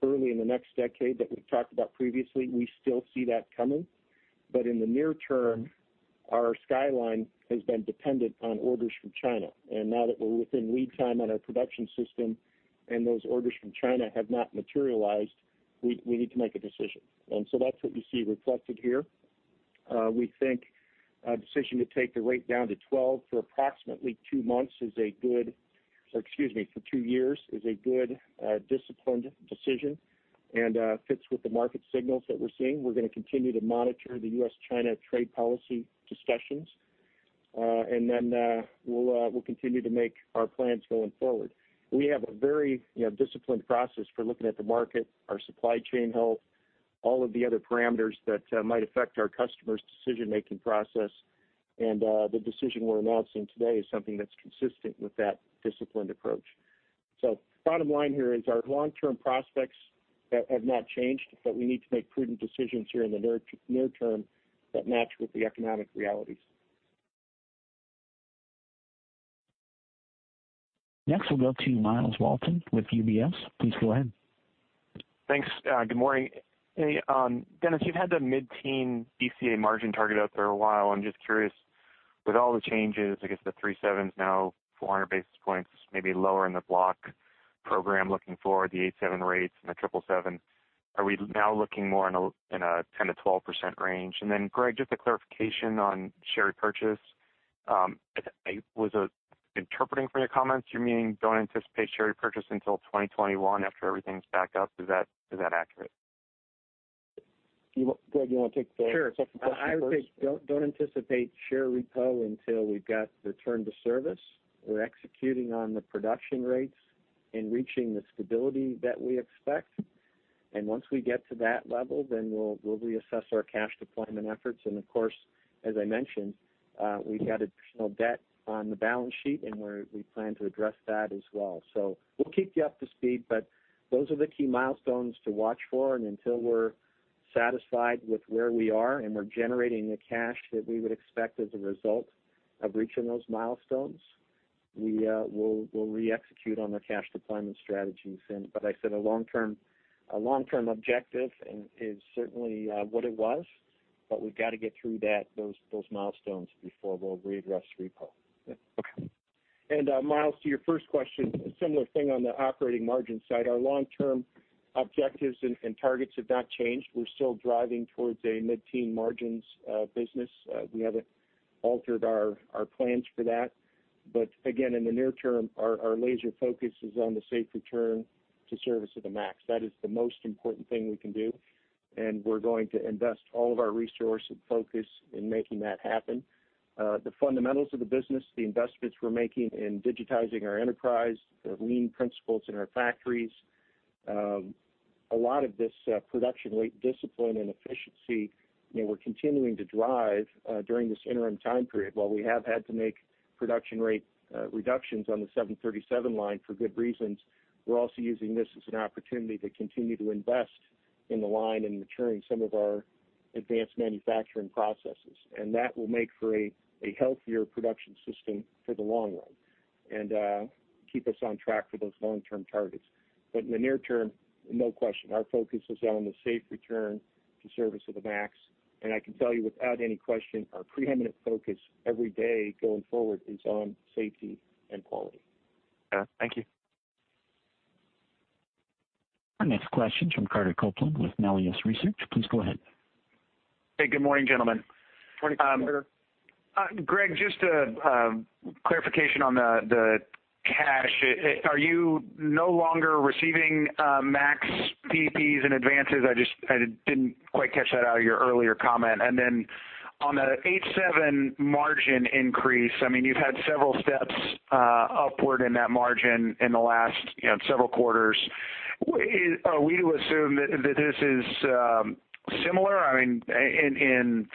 cycle early in the next decade that we've talked about previously, we still see that coming. In the near term, our skyline has been dependent on orders from China. Now that we're within lead time on our production system and those orders from China have not materialized, we need to make a decision. That's what we see reflected here. We think a decision to take the rate down to 12 for approximately two months, or excuse me, for two years, is a good, disciplined decision and fits with the market signals that we're seeing. We're going to continue to monitor the U.S.-China trade policy discussions. We'll continue to make our plans going forward. We have a very disciplined process for looking at the market, our supply chain health, all of the other parameters that might affect our customers' decision-making process, and the decision we're announcing today is something that's consistent with that disciplined approach. Bottom line here is our long-term prospects have not changed, but we need to make prudent decisions here in the near term that match with the economic realities.
Next, we'll go to Myles Walton with UBS. Please go ahead.
Thanks. Good morning. Hey, Dennis, you've had the mid-teen BCA margin target out there a while. I'm just curious, with all the changes, I guess the 737's now 400 basis points, maybe lower in the block program looking forward, the 787 rates and the 777, are we now looking more in a 10%-12% range? Greg, just a clarification on share repurchase. I was interpreting from your comments, you're meaning don't anticipate share repurchase until 2021 after everything's back up. Is that accurate?
Greg, you want to take the second question first?
Sure. I would say don't anticipate share repo until we've got the return to service. We're executing on the production rates and reaching the stability that we expect, and once we get to that level, then we'll reassess our cash deployment efforts. Of course, as I mentioned, we've got additional debt on the balance sheet, and we plan to address that as well. We'll keep you up to speed, but those are the key milestones to watch for, and until we're satisfied with where we are and we're generating the cash that we would expect as a result of reaching those milestones, we'll re-execute on the cash deployment strategies. Like I said, a long-term objective is certainly what it was, but we've got to get through those milestones before we'll readdress repo.
Myles, to your first question, a similar thing on the operating margin side. Our long-term objectives and targets have not changed. We're still driving towards a mid-teen margins business. We haven't altered our plans for that. Again, in the near term, our laser focus is on the safe return to service of the MAX. That is the most important thing we can do, and we're going to invest all of our resource and focus in making that happen. The fundamentals of the business, the investments we're making in digitizing our enterprise, the lean principles in our factories. A lot of this production rate discipline and efficiency, we're continuing to drive during this interim time period. While we have had to make production rate reductions on the 737 line for good reasons, we're also using this as an opportunity to continue to invest in the line and maturing some of our advanced manufacturing processes. That will make for a healthier production system for the long run and keep us on track for those long-term targets. In the near term, no question, our focus is on the safe return to service of the MAX. I can tell you without any question, our preeminent focus every day going forward is on safety and quality.
Yeah. Thank you.
Our next question is from Carter Copeland with Melius Research. Please go ahead.
Hey, good morning, gentlemen.
Morning, Carter.
Greg, just a clarification on the cash. Are you no longer receiving MAX PPAs and advances? I didn't quite catch that out of your earlier comment. On the 787 margin increase, you've had several steps upward in that margin in the last several quarters. Are we to assume that this is similar in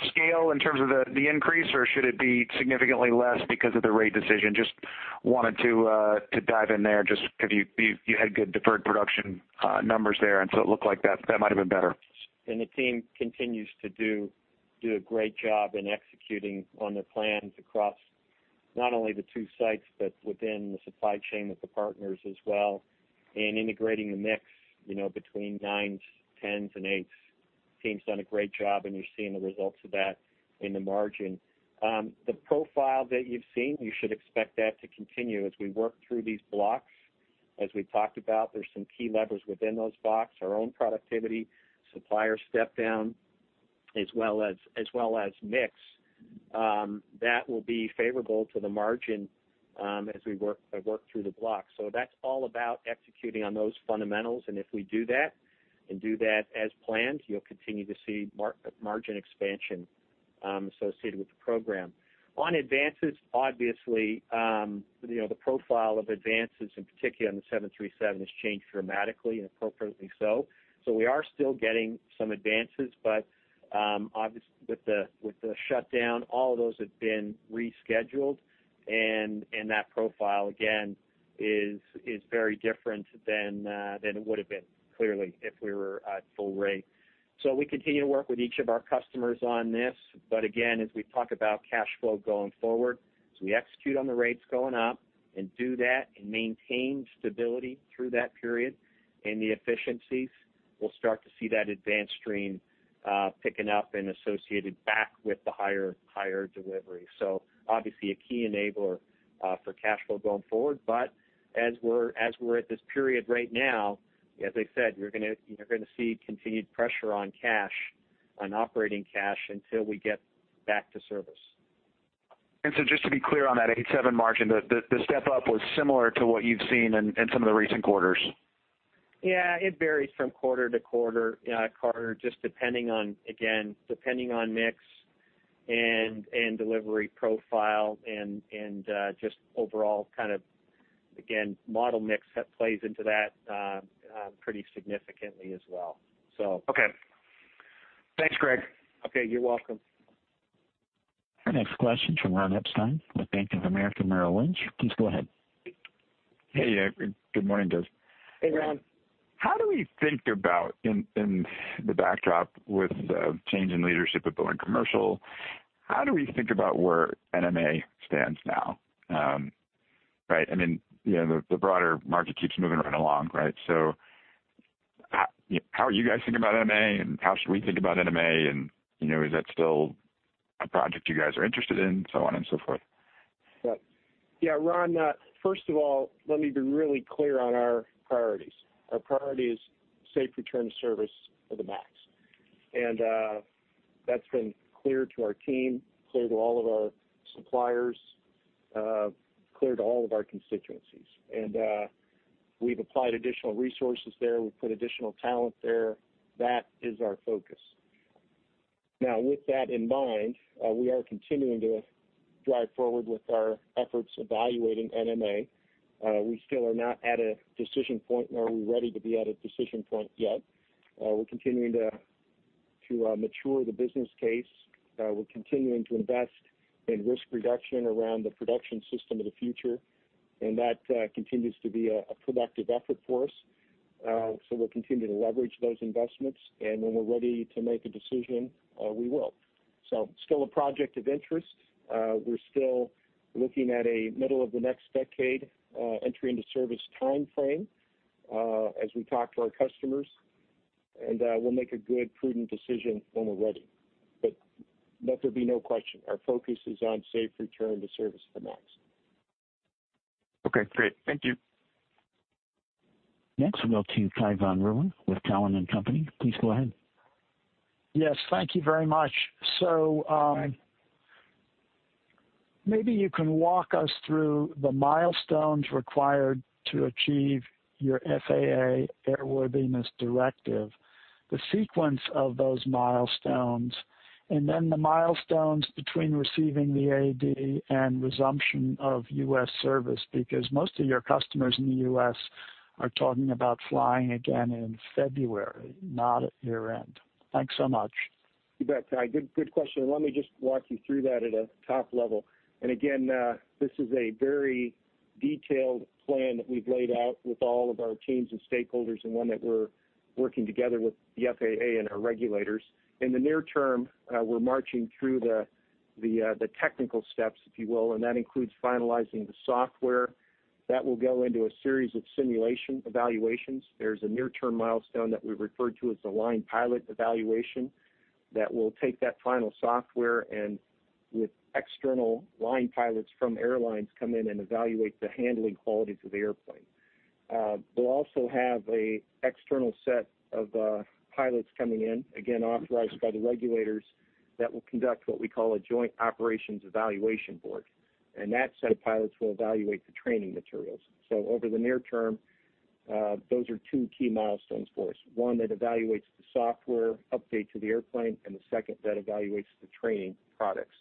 scale in terms of the increase, or should it be significantly less because of the rate decision? Just wanted to dive in there just because you had good deferred production numbers there, and so it looked like that might've been better.
The team continues to do a great job in executing on their plans across not only the two sites, but within the supply chain with the partners as well, integrating the mix between nines, tens and eights. Team's done a great job, and you're seeing the results of that in the margin. The profile that you've seen, you should expect that to continue as we work through these blocks. As we've talked about, there's some key levers within those blocks, our own productivity, supplier step down, as well as mix. That will be favorable to the margin as we work through the blocks. That's all about executing on those fundamentals, and if we do that, and do that as planned, you'll continue to see margin expansion associated with the program. On advances, obviously, the profile of advances in particular on the 737 has changed dramatically, and appropriately so. We are still getting some advances, but obviously, with the shutdown, all of those have been rescheduled, and that profile, again, is very different than it would've been, clearly, if we were at full rate. We continue to work with each of our customers on this. Again, as we talk about cash flow going forward, as we execute on the rates going up and do that and maintain stability through that period and the efficiencies, we'll start to see that advance stream picking up and associated back with the higher delivery. Obviously, a key enabler for cash flow going forward. As we're at this period right now, as I said, you're going to see continued pressure on cash, on operating cash until we get back to service.
Just to be clear on that 787 margin, the step-up was similar to what you've seen in some of the recent quarters.
Yeah, it varies from quarter to quarter, Carter, just depending on mix and delivery profile and just overall kind of, again, model mix plays into that pretty significantly as well.
Okay. Thanks, Greg.
Okay, you're welcome.
Our next question's from Ron Epstein with Bank of America Merrill Lynch. Please go ahead.
Hey. Good morning, guys.
Hey, Ron.
How do we think about, in the backdrop with the change in leadership at Boeing Commercial, how do we think about where NMA stands now? The broader market keeps moving right along. How are you guys thinking about NMA, and how should we think about NMA, and is that still a project you guys are interested in, so on and so forth?
Yeah, Ron, first of all, let me be really clear on our priorities. Our priority is safe return to service of the MAX. That's been clear to our team, clear to all of our suppliers, clear to all of our constituencies. We've applied additional resources there. We've put additional talent there. That is our focus. With that in mind, we are continuing to drive forward with our efforts evaluating NMA. We still are not at a decision point, nor are we ready to be at a decision point yet. We're continuing to mature the business case. We're continuing to invest in risk reduction around the production system of the future, and that continues to be a productive effort for us. We'll continue to leverage those investments, and when we're ready to make a decision, we will. Still a project of interest. We're still looking at a middle of the next decade entry into service timeframe as we talk to our customers. We'll make a good, prudent decision when we're ready. Let there be no question, our focus is on safe return to service of the MAX.
Okay, great. Thank you.
Next, we'll go to Cai von Rumohr with Cowen and Company. Please go ahead.
Yes, thank you very much. Maybe you can walk us through the milestones required to achieve your FAA Airworthiness Directive, the sequence of those milestones, and then the milestones between receiving the AD and resumption of U.S. service, because most of your customers in the U.S. are talking about flying again in February, not at your end. Thanks so much.
You bet, Cai. Good question. Let me just walk you through that at a top level. Again, this is a very detailed plan that we've laid out with all of our teams and stakeholders, and one that we're working together with the FAA and our regulators. In the near term, we're marching through the technical steps, if you will, and that includes finalizing the software. That will go into a series of simulation evaluations. There's a near-term milestone that we've referred to as the line pilot evaluation that will take that final software and with external line pilots from airlines, come in and evaluate the handling qualities of the airplane. We'll also have an external set of pilots coming in, again, authorized by the regulators, that will conduct what we call a joint operations evaluation board, and that set of pilots will evaluate the training materials. Over the near term, those are two key milestones for us. One that evaluates the software update to the airplane, and the second that evaluates the training products.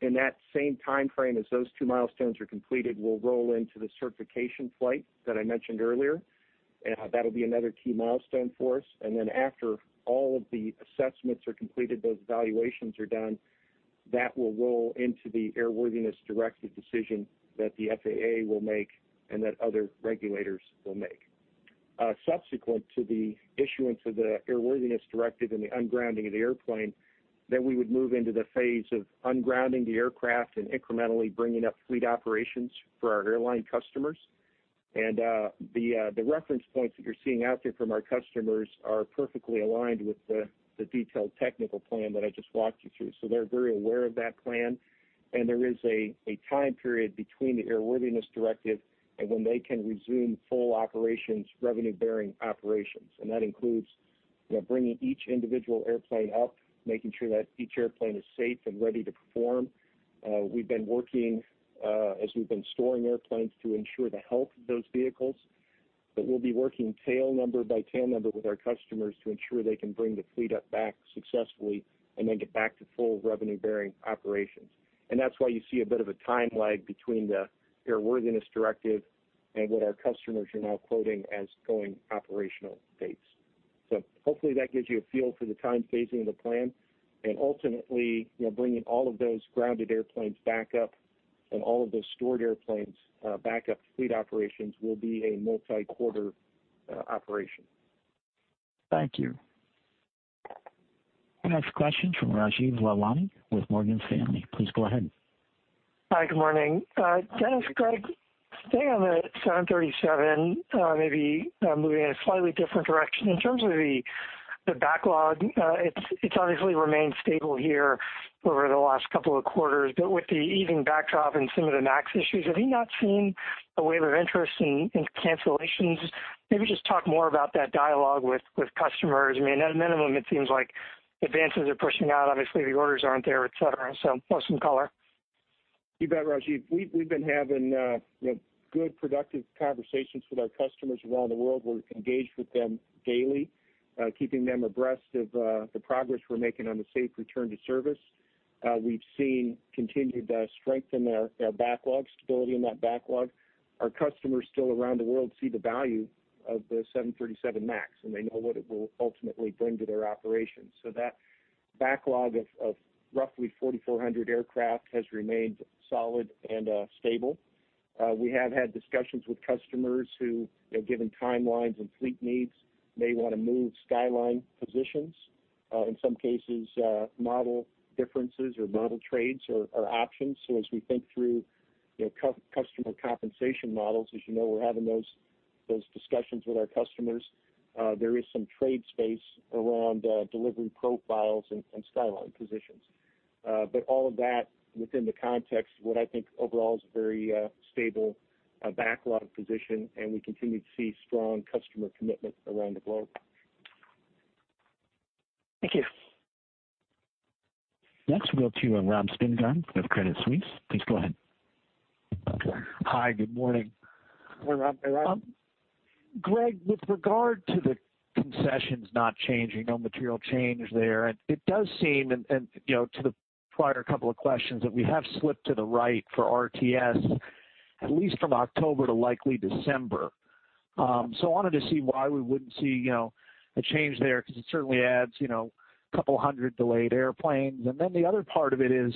In that same timeframe as those two milestones are completed, we'll roll into the certification flight that I mentioned earlier. That'll be another key milestone for us. After all of the assessments are completed, those evaluations are done, that will roll into the airworthiness directive decision that the FAA will make and that other regulators will make. Subsequent to the issuance of the airworthiness directive and the ungrounding of the airplane, then we would move into the phase of ungrounding the aircraft and incrementally bringing up fleet operations for our airline customers. The reference points that you're seeing out there from our customers are perfectly aligned with the detailed technical plan that I just walked you through. They're very aware of that plan. There is a time period between the airworthiness directive and when they can resume full operations, revenue-bearing operations. That includes bringing each individual airplane up, making sure that each airplane is safe and ready to perform. We've been working, as we've been storing airplanes, to ensure the health of those vehicles, but we'll be working tail number by tail number with our customers to ensure they can bring the fleet up back successfully and then get back to full revenue-bearing operations. That's why you see a bit of a time lag between the airworthiness directive and what our customers are now quoting as going operational dates. Hopefully that gives you a feel for the time phasing of the plan, and ultimately, bringing all of those grounded airplanes back up and all of those stored airplanes back up to fleet operations will be a multi-quarter operation.
Thank you.
Our next question from Rajeev Lalwani with Morgan Stanley. Please go ahead.
Hi, good morning. Dennis, Greg, staying on the 737, maybe moving in a slightly different direction. In terms of the backlog, it's obviously remained stable here over the last couple of quarters. With the easing backdrop and some of the MAX issues, have you not seen a wave of interest in cancellations? Maybe just talk more about that dialogue with customers. I mean, at minimum, it seems like advances are pushing out. Obviously, the orders aren't there, et cetera. Just some color.
You bet, Rajeev. We've been having good, productive conversations with our customers around the world. We're engaged with them daily, keeping them abreast of the progress we're making on the safe return to service. We've seen continued strength in their backlog, stability in that backlog. Our customers still around the world see the value of the 737 MAX, they know what it will ultimately bring to their operations. That backlog of roughly 4,400 aircraft has remained solid and stable. We have had discussions with customers who, given timelines and fleet needs, may want to move skyline positions. In some cases, model differences or model trades are options. As we think through customer compensation models, as you know, we're having those discussions with our customers. There is some trade space around delivery profiles and skyline positions. All of that within the context of what I think overall is a very stable backlog position, and we continue to see strong customer commitment around the globe.
Thank you.
Next, we'll go to Rob Spingarn with Credit Suisse. Please go ahead.
Hi, good morning.
Good morning, Rob.
Greg, with regard to the concessions not changing, no material change there. It does seem, and to the prior couple of questions, that we have slipped to the right for RTS at least from October to likely December. I wanted to see why we wouldn't see a change there because it certainly adds couple hundred delayed airplanes. The other part of it is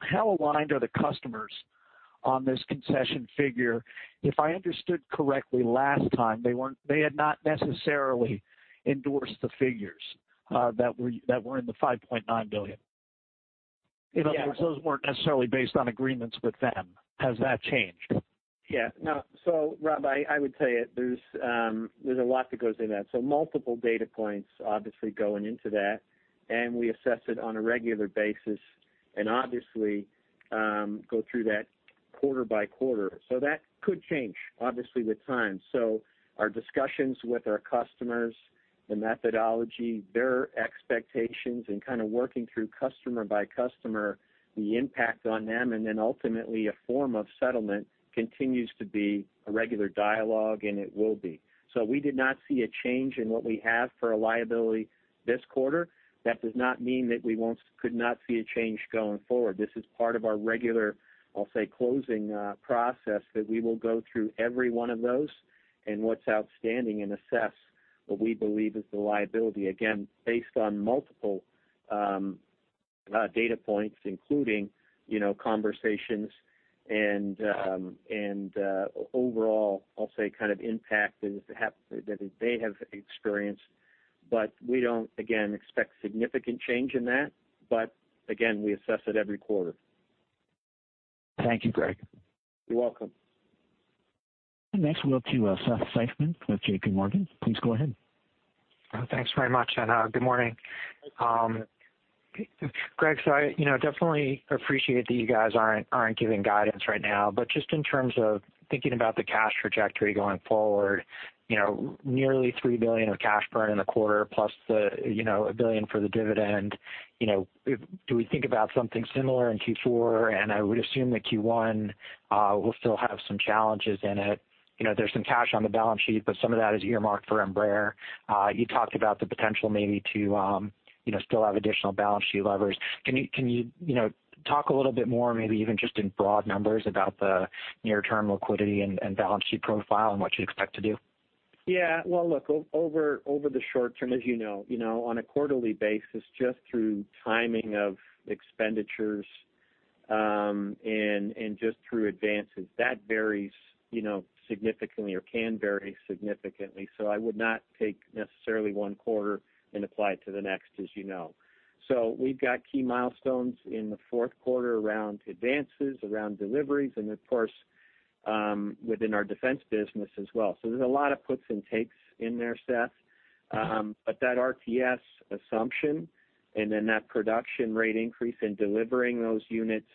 how aligned are the customers on this concession figure? If I understood correctly last time, they had not necessarily endorsed the figures that were in the $5.9 billion.
Yeah.
In other words, those weren't necessarily based on agreements with them. Has that changed?
Yeah. No. Rob, I would tell you there's a lot that goes into that. Multiple data points obviously going into that, and we assess it on a regular basis and obviously go through that. Quarter by quarter. That could change, obviously, with time. Our discussions with our customers, the methodology, their expectations, and kind of working through customer by customer, the impact on them, and then ultimately a form of settlement continues to be a regular dialogue, and it will be. We did not see a change in what we have for a liability this quarter. That does not mean that we could not see a change going forward. This is part of our regular, I'll say, closing process that we will go through every one of those and what's outstanding and assess what we believe is the liability. Again, based on multiple data points, including conversations and overall, I'll say, kind of impact that they have experienced. We don't, again, expect significant change in that. Again, we assess it every quarter.
Thank you, Greg.
You're welcome.
Next, we'll go to Seth Seifman with JPMorgan. Please go ahead.
Thanks very much, and good morning. Greg, I definitely appreciate that you guys aren't giving guidance right now, but just in terms of thinking about the cash trajectory going forward, nearly $3 billion of cash burn in the quarter plus $1 billion for the dividend. Do we think about something similar in Q4? I would assume that Q1 will still have some challenges in it. There's some cash on the balance sheet, some of that is earmarked for Embraer. You talked about the potential maybe to still have additional balance sheet levers. Can you talk a little bit more, maybe even just in broad numbers, about the near-term liquidity and balance sheet profile and what you expect to do?
Yeah. Look, over the short term, as you know, on a quarterly basis, just through timing of expenditures, and just through advances, that varies significantly or can vary significantly. I would not take necessarily one quarter and apply it to the next, as you know. We've got key milestones in the fourth quarter around advances, around deliveries, and of course, within our defense business as well. There's a lot of puts and takes in there, Seth. That RTS assumption and then that production rate increase in delivering those units,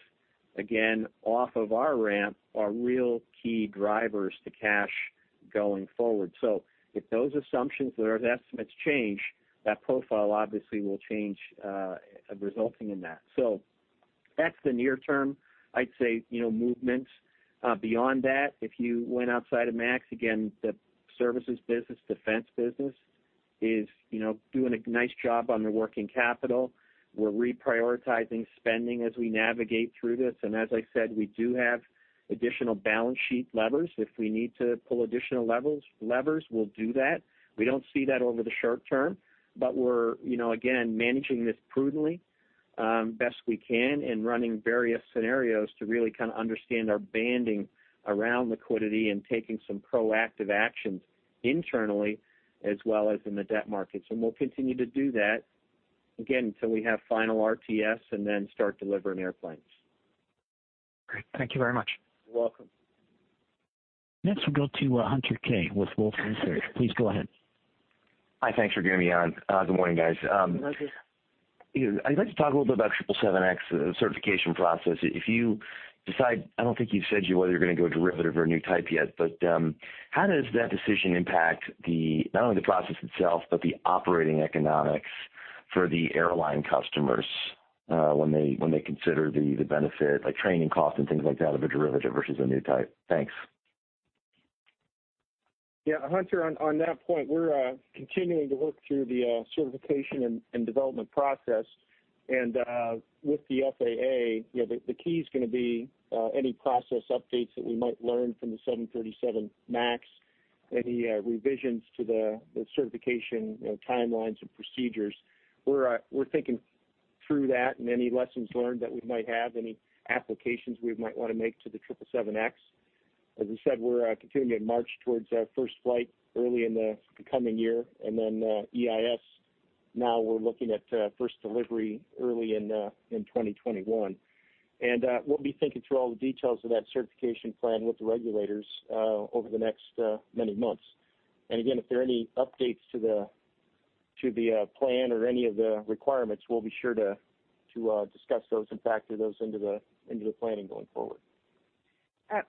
again, off of our ramp, are real key drivers to cash going forward. If those assumptions or those estimates change, that profile obviously will change, resulting in that. That's the near term, I'd say, movements. Beyond that, if you went outside of MAX, again, the services business, defense business is doing a nice job on their working capital. We're reprioritizing spending as we navigate through this, and as I said, we do have additional balance sheet levers. If we need to pull additional levers, we'll do that. We don't see that over the short term, but we're, again, managing this prudently best we can and running various scenarios to really kind of understand our banding around liquidity and taking some proactive actions internally as well as in the debt markets, and we'll continue to do that, again, until we have final RTS and then start delivering airplanes.
Great. Thank you very much.
You're welcome.
Next, we'll go to Hunter Keay with Wolfe Research. Please go ahead.
Hi, thanks for getting me on. Good morning, guys.
Hunter.
I'd like to talk a little bit about 777X certification process. If you decide, I don't think you've said yet whether you're going to go derivative or a new type yet, but how does that decision impact not only the process itself, but the operating economics for the airline customers when they consider the benefit, like training costs and things like that, of a derivative versus a new type? Thanks.
Yeah, Hunter, on that point, we're continuing to work through the certification and development process. With the FAA, the key's going to be any process updates that we might learn from the 737 MAX, any revisions to the certification timelines and procedures. We're thinking through that and any lessons learned that we might have, any applications we might want to make to the 777X. As I said, we're continuing to march towards first flight early in the coming year, and then EIS, now we're looking at first delivery early in 2021. We'll be thinking through all the details of that certification plan with the regulators over the next many months. Again, if there are any updates to the plan or any of the requirements, we'll be sure to discuss those and factor those into the planning going forward.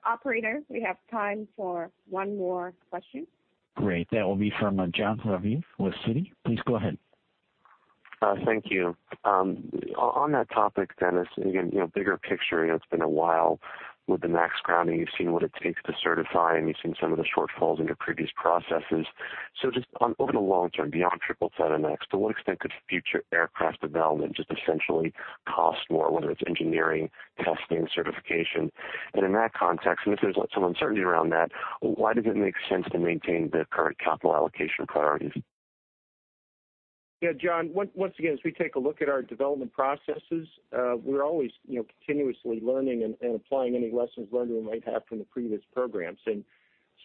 Operator, we have time for one more question.
Great. That will be from Jon Raviv with Citi. Please go ahead.
Thank you. On that topic, Dennis, again, bigger picture, it's been a while with the MAX grounding. You've seen what it takes to certify, and you've seen some of the shortfalls into previous processes. Just on, over the long term, beyond 777X, to what extent could future aircraft development just essentially cost more, whether it's engineering, testing, certification? In that context, and if there's some uncertainty around that, why does it make sense to maintain the current capital allocation priorities?
Jon, once again, as we take a look at our development processes, we're always continuously learning and applying any lessons learned we might have from the previous programs.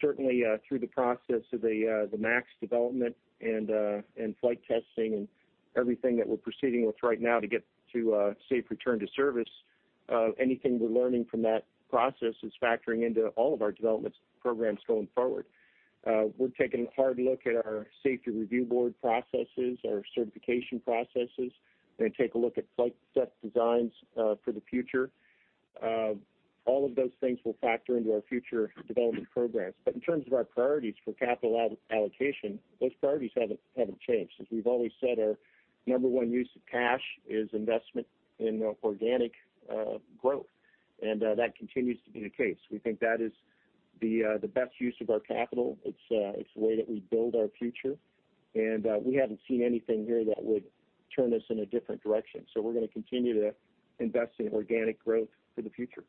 Certainly, through the process of the MAX development and flight testing and everything that we're proceeding with right now to get to a safe return to service, anything we're learning from that process is factoring into all of our development programs going forward. We're taking a hard look at our safety review board processes, our certification processes. We're going to take a look at flight deck designs for the future. All of those things will factor into our future development programs. In terms of our priorities for capital allocation, those priorities haven't changed. As we've always said, our number one use of cash is investment in organic growth, and that continues to be the case. We think that is the best use of our capital. It's the way that we build our future, and we haven't seen anything here that would turn us in a different direction. We're going to continue to invest in organic growth for the future.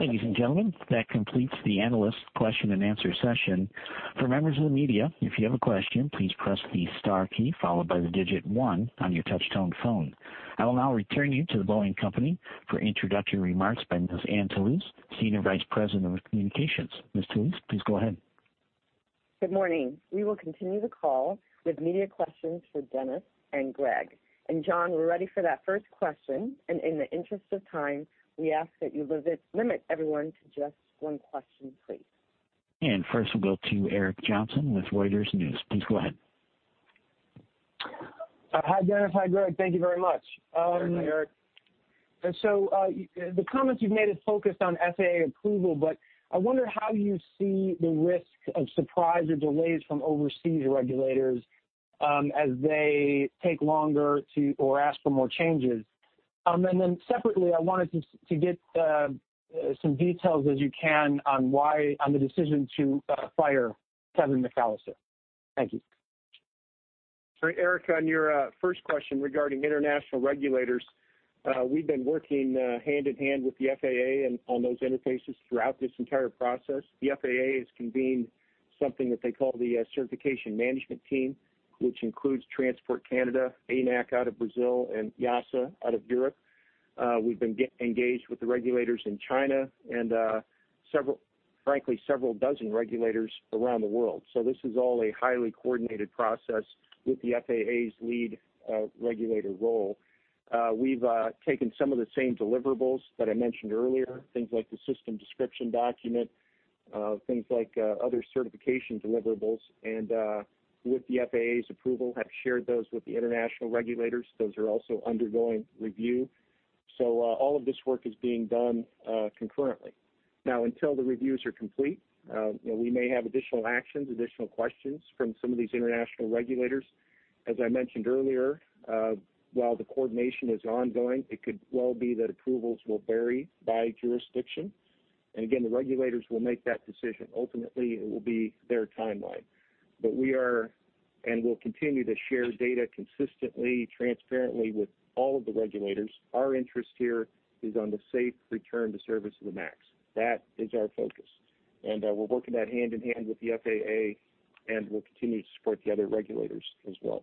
Ladies and gentlemen, that completes the analyst question and answer session. For members of the media, if you have a question, please press the star key followed by the digit 1 on your touch-tone phone. I will now return you to The Boeing Company for introductory remarks by Ms. Anne Toulouse, Senior Vice President of Communications. Ms. Toulouse, please go ahead.
Good morning. We will continue the call with media questions for Dennis and Greg. Jon, we're ready for that first question, and in the interest of time, we ask that you limit everyone to just one question, please.
First we'll go to Eric Johnson with Reuters News. Please go ahead.
Hi, Dennis. Hi, Greg. Thank you very much.
Hi, Eric.
The comments you've made have focused on FAA approval, but I wonder how you see the risk of surprise or delays from overseas regulators, as they take longer to or ask for more changes. Separately, I wanted to get some details as you can on the decision to fire Kevin McAllister. Thank you.
All right, Eric, on your first question regarding international regulators, we've been working hand-in-hand with the FAA and on those interfaces throughout this entire process. The FAA has convened something that they call the Certification Management Team, which includes Transport Canada, ANAC out of Brazil, and EASA out of Europe. We've been engaged with the regulators in China and, frankly, several dozen regulators around the world. This is all a highly coordinated process with the FAA's lead regulator role. We've taken some of the same deliverables that I mentioned earlier, things like the system description document, things like other certification deliverables, and, with the FAA's approval, have shared those with the international regulators. Those are also undergoing review. All of this work is being done concurrently. Until the reviews are complete, we may have additional actions, additional questions from some of these international regulators. As I mentioned earlier, while the coordination is ongoing, it could well be that approvals will vary by jurisdiction. Again, the regulators will make that decision. Ultimately, it will be their timeline. We are and will continue to share data consistently, transparently with all of the regulators. Our interest here is on the safe return to service of the MAX. That is our focus, and we're working that hand-in-hand with the FAA, and we'll continue to support the other regulators as well.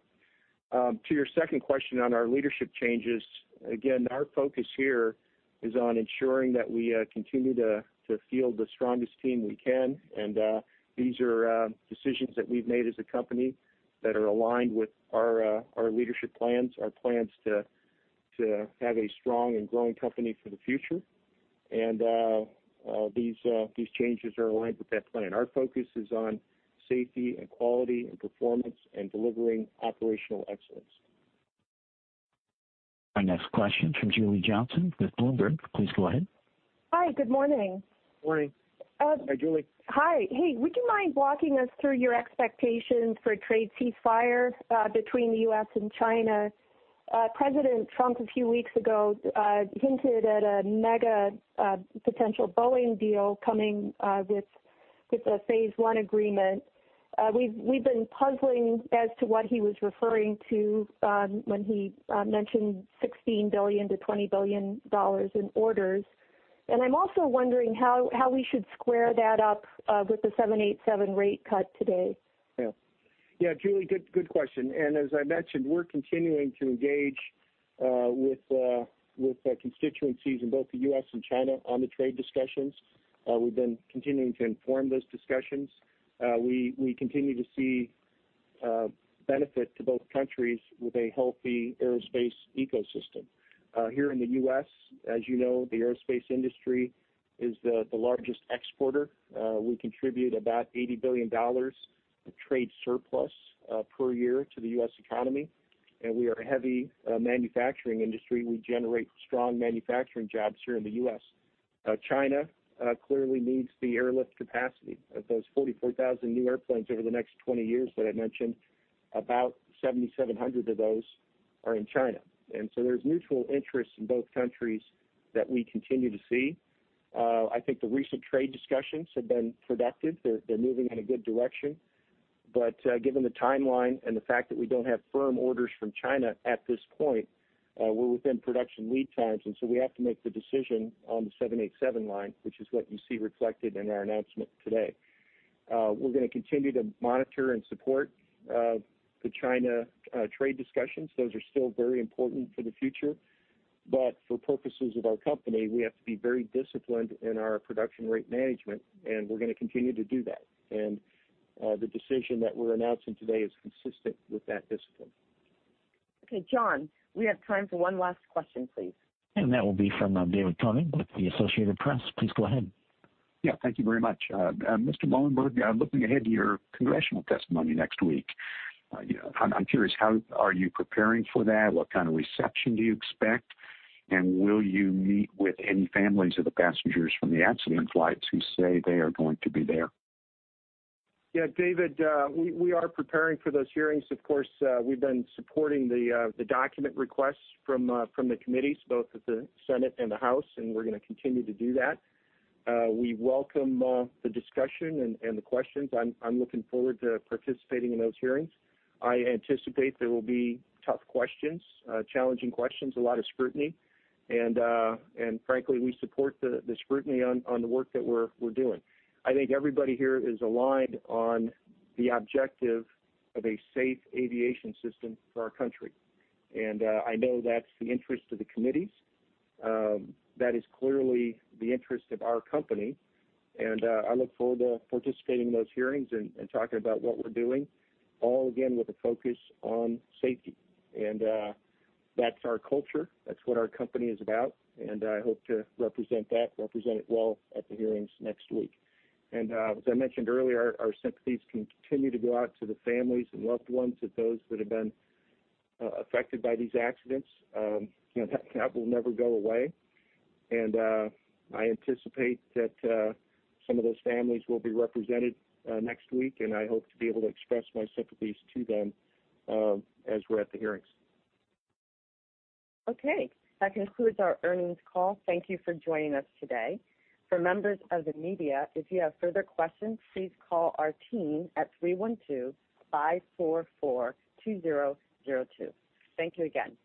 To your second question on our leadership changes, again, our focus here is on ensuring that we continue to field the strongest team we can, and these are decisions that we've made as a company that are aligned with our leadership plans, our plans to have a strong and growing company for the future. These changes are aligned with that plan. Our focus is on safety and quality and performance and delivering operational excellence.
Our next question from Julie Johnsson with Bloomberg. Please go ahead.
Hi, good morning.
Morning.
Hi, Julie.
Hi. Hey, would you mind walking us through your expectations for a trade ceasefire between the U.S. and China? President Trump a few weeks ago hinted at a mega potential Boeing deal coming with the phase one agreement. We've been puzzling as to what he was referring to when he mentioned $16 billion-$20 billion in orders, and I'm also wondering how we should square that up with the 787 rate cut today.
Yeah. Julie, good question. As I mentioned, we're continuing to engage with constituencies in both the U.S. and China on the trade discussions. We've been continuing to inform those discussions. We continue to see benefit to both countries with a healthy aerospace ecosystem. Here in the U.S., as you know, the aerospace industry is the largest exporter. We contribute about $80 billion of trade surplus per year to the U.S. economy. We are a heavy manufacturing industry. We generate strong manufacturing jobs here in the U.S. China clearly needs the airlift capacity. Of those 44,000 new airplanes over the next 20 years that I mentioned, about 7,700 of those are in China. There's mutual interest in both countries that we continue to see. I think the recent trade discussions have been productive. They're moving in a good direction. Given the timeline and the fact that we don't have firm orders from China at this point, we're within production lead times, and so we have to make the decision on the 787 line, which is what you see reflected in our announcement today. We're going to continue to monitor and support the China trade discussions. Those are still very important for the future. For purposes of our company, we have to be very disciplined in our production rate management, and we're going to continue to do that. The decision that we're announcing today is consistent with that discipline.
Okay, John, we have time for one last question, please.
That will be from David Koenig with The Associated Press. Please go ahead.
Yeah, thank you very much. Mr. Muilenburg, looking ahead to your congressional testimony next week, I'm curious, how are you preparing for that? What kind of reception do you expect? Will you meet with any families of the passengers from the accident flights who say they are going to be there?
Yeah, David, we are preparing for those hearings. Of course, we've been supporting the document requests from the committees, both at the Senate and the House. We're going to continue to do that. We welcome the discussion and the questions. I'm looking forward to participating in those hearings. I anticipate there will be tough questions, challenging questions, a lot of scrutiny. Frankly, we support the scrutiny on the work that we're doing. I think everybody here is aligned on the objective of a safe aviation system for our country. I know that's the interest of the committees. That is clearly the interest of our company. I look forward to participating in those hearings and talking about what we're doing, all again with a focus on safety. That's our culture. That's what our company is about, and I hope to represent it well at the hearings next week. As I mentioned earlier, our sympathies continue to go out to the families and loved ones of those that have been affected by these accidents. That will never go away. I anticipate that some of those families will be represented next week, and I hope to be able to express my sympathies to them as we're at the hearings.
Okay. That concludes our earnings call. Thank you for joining us today. For members of the media, if you have further questions, please call our team at 312-544-2002. Thank you again.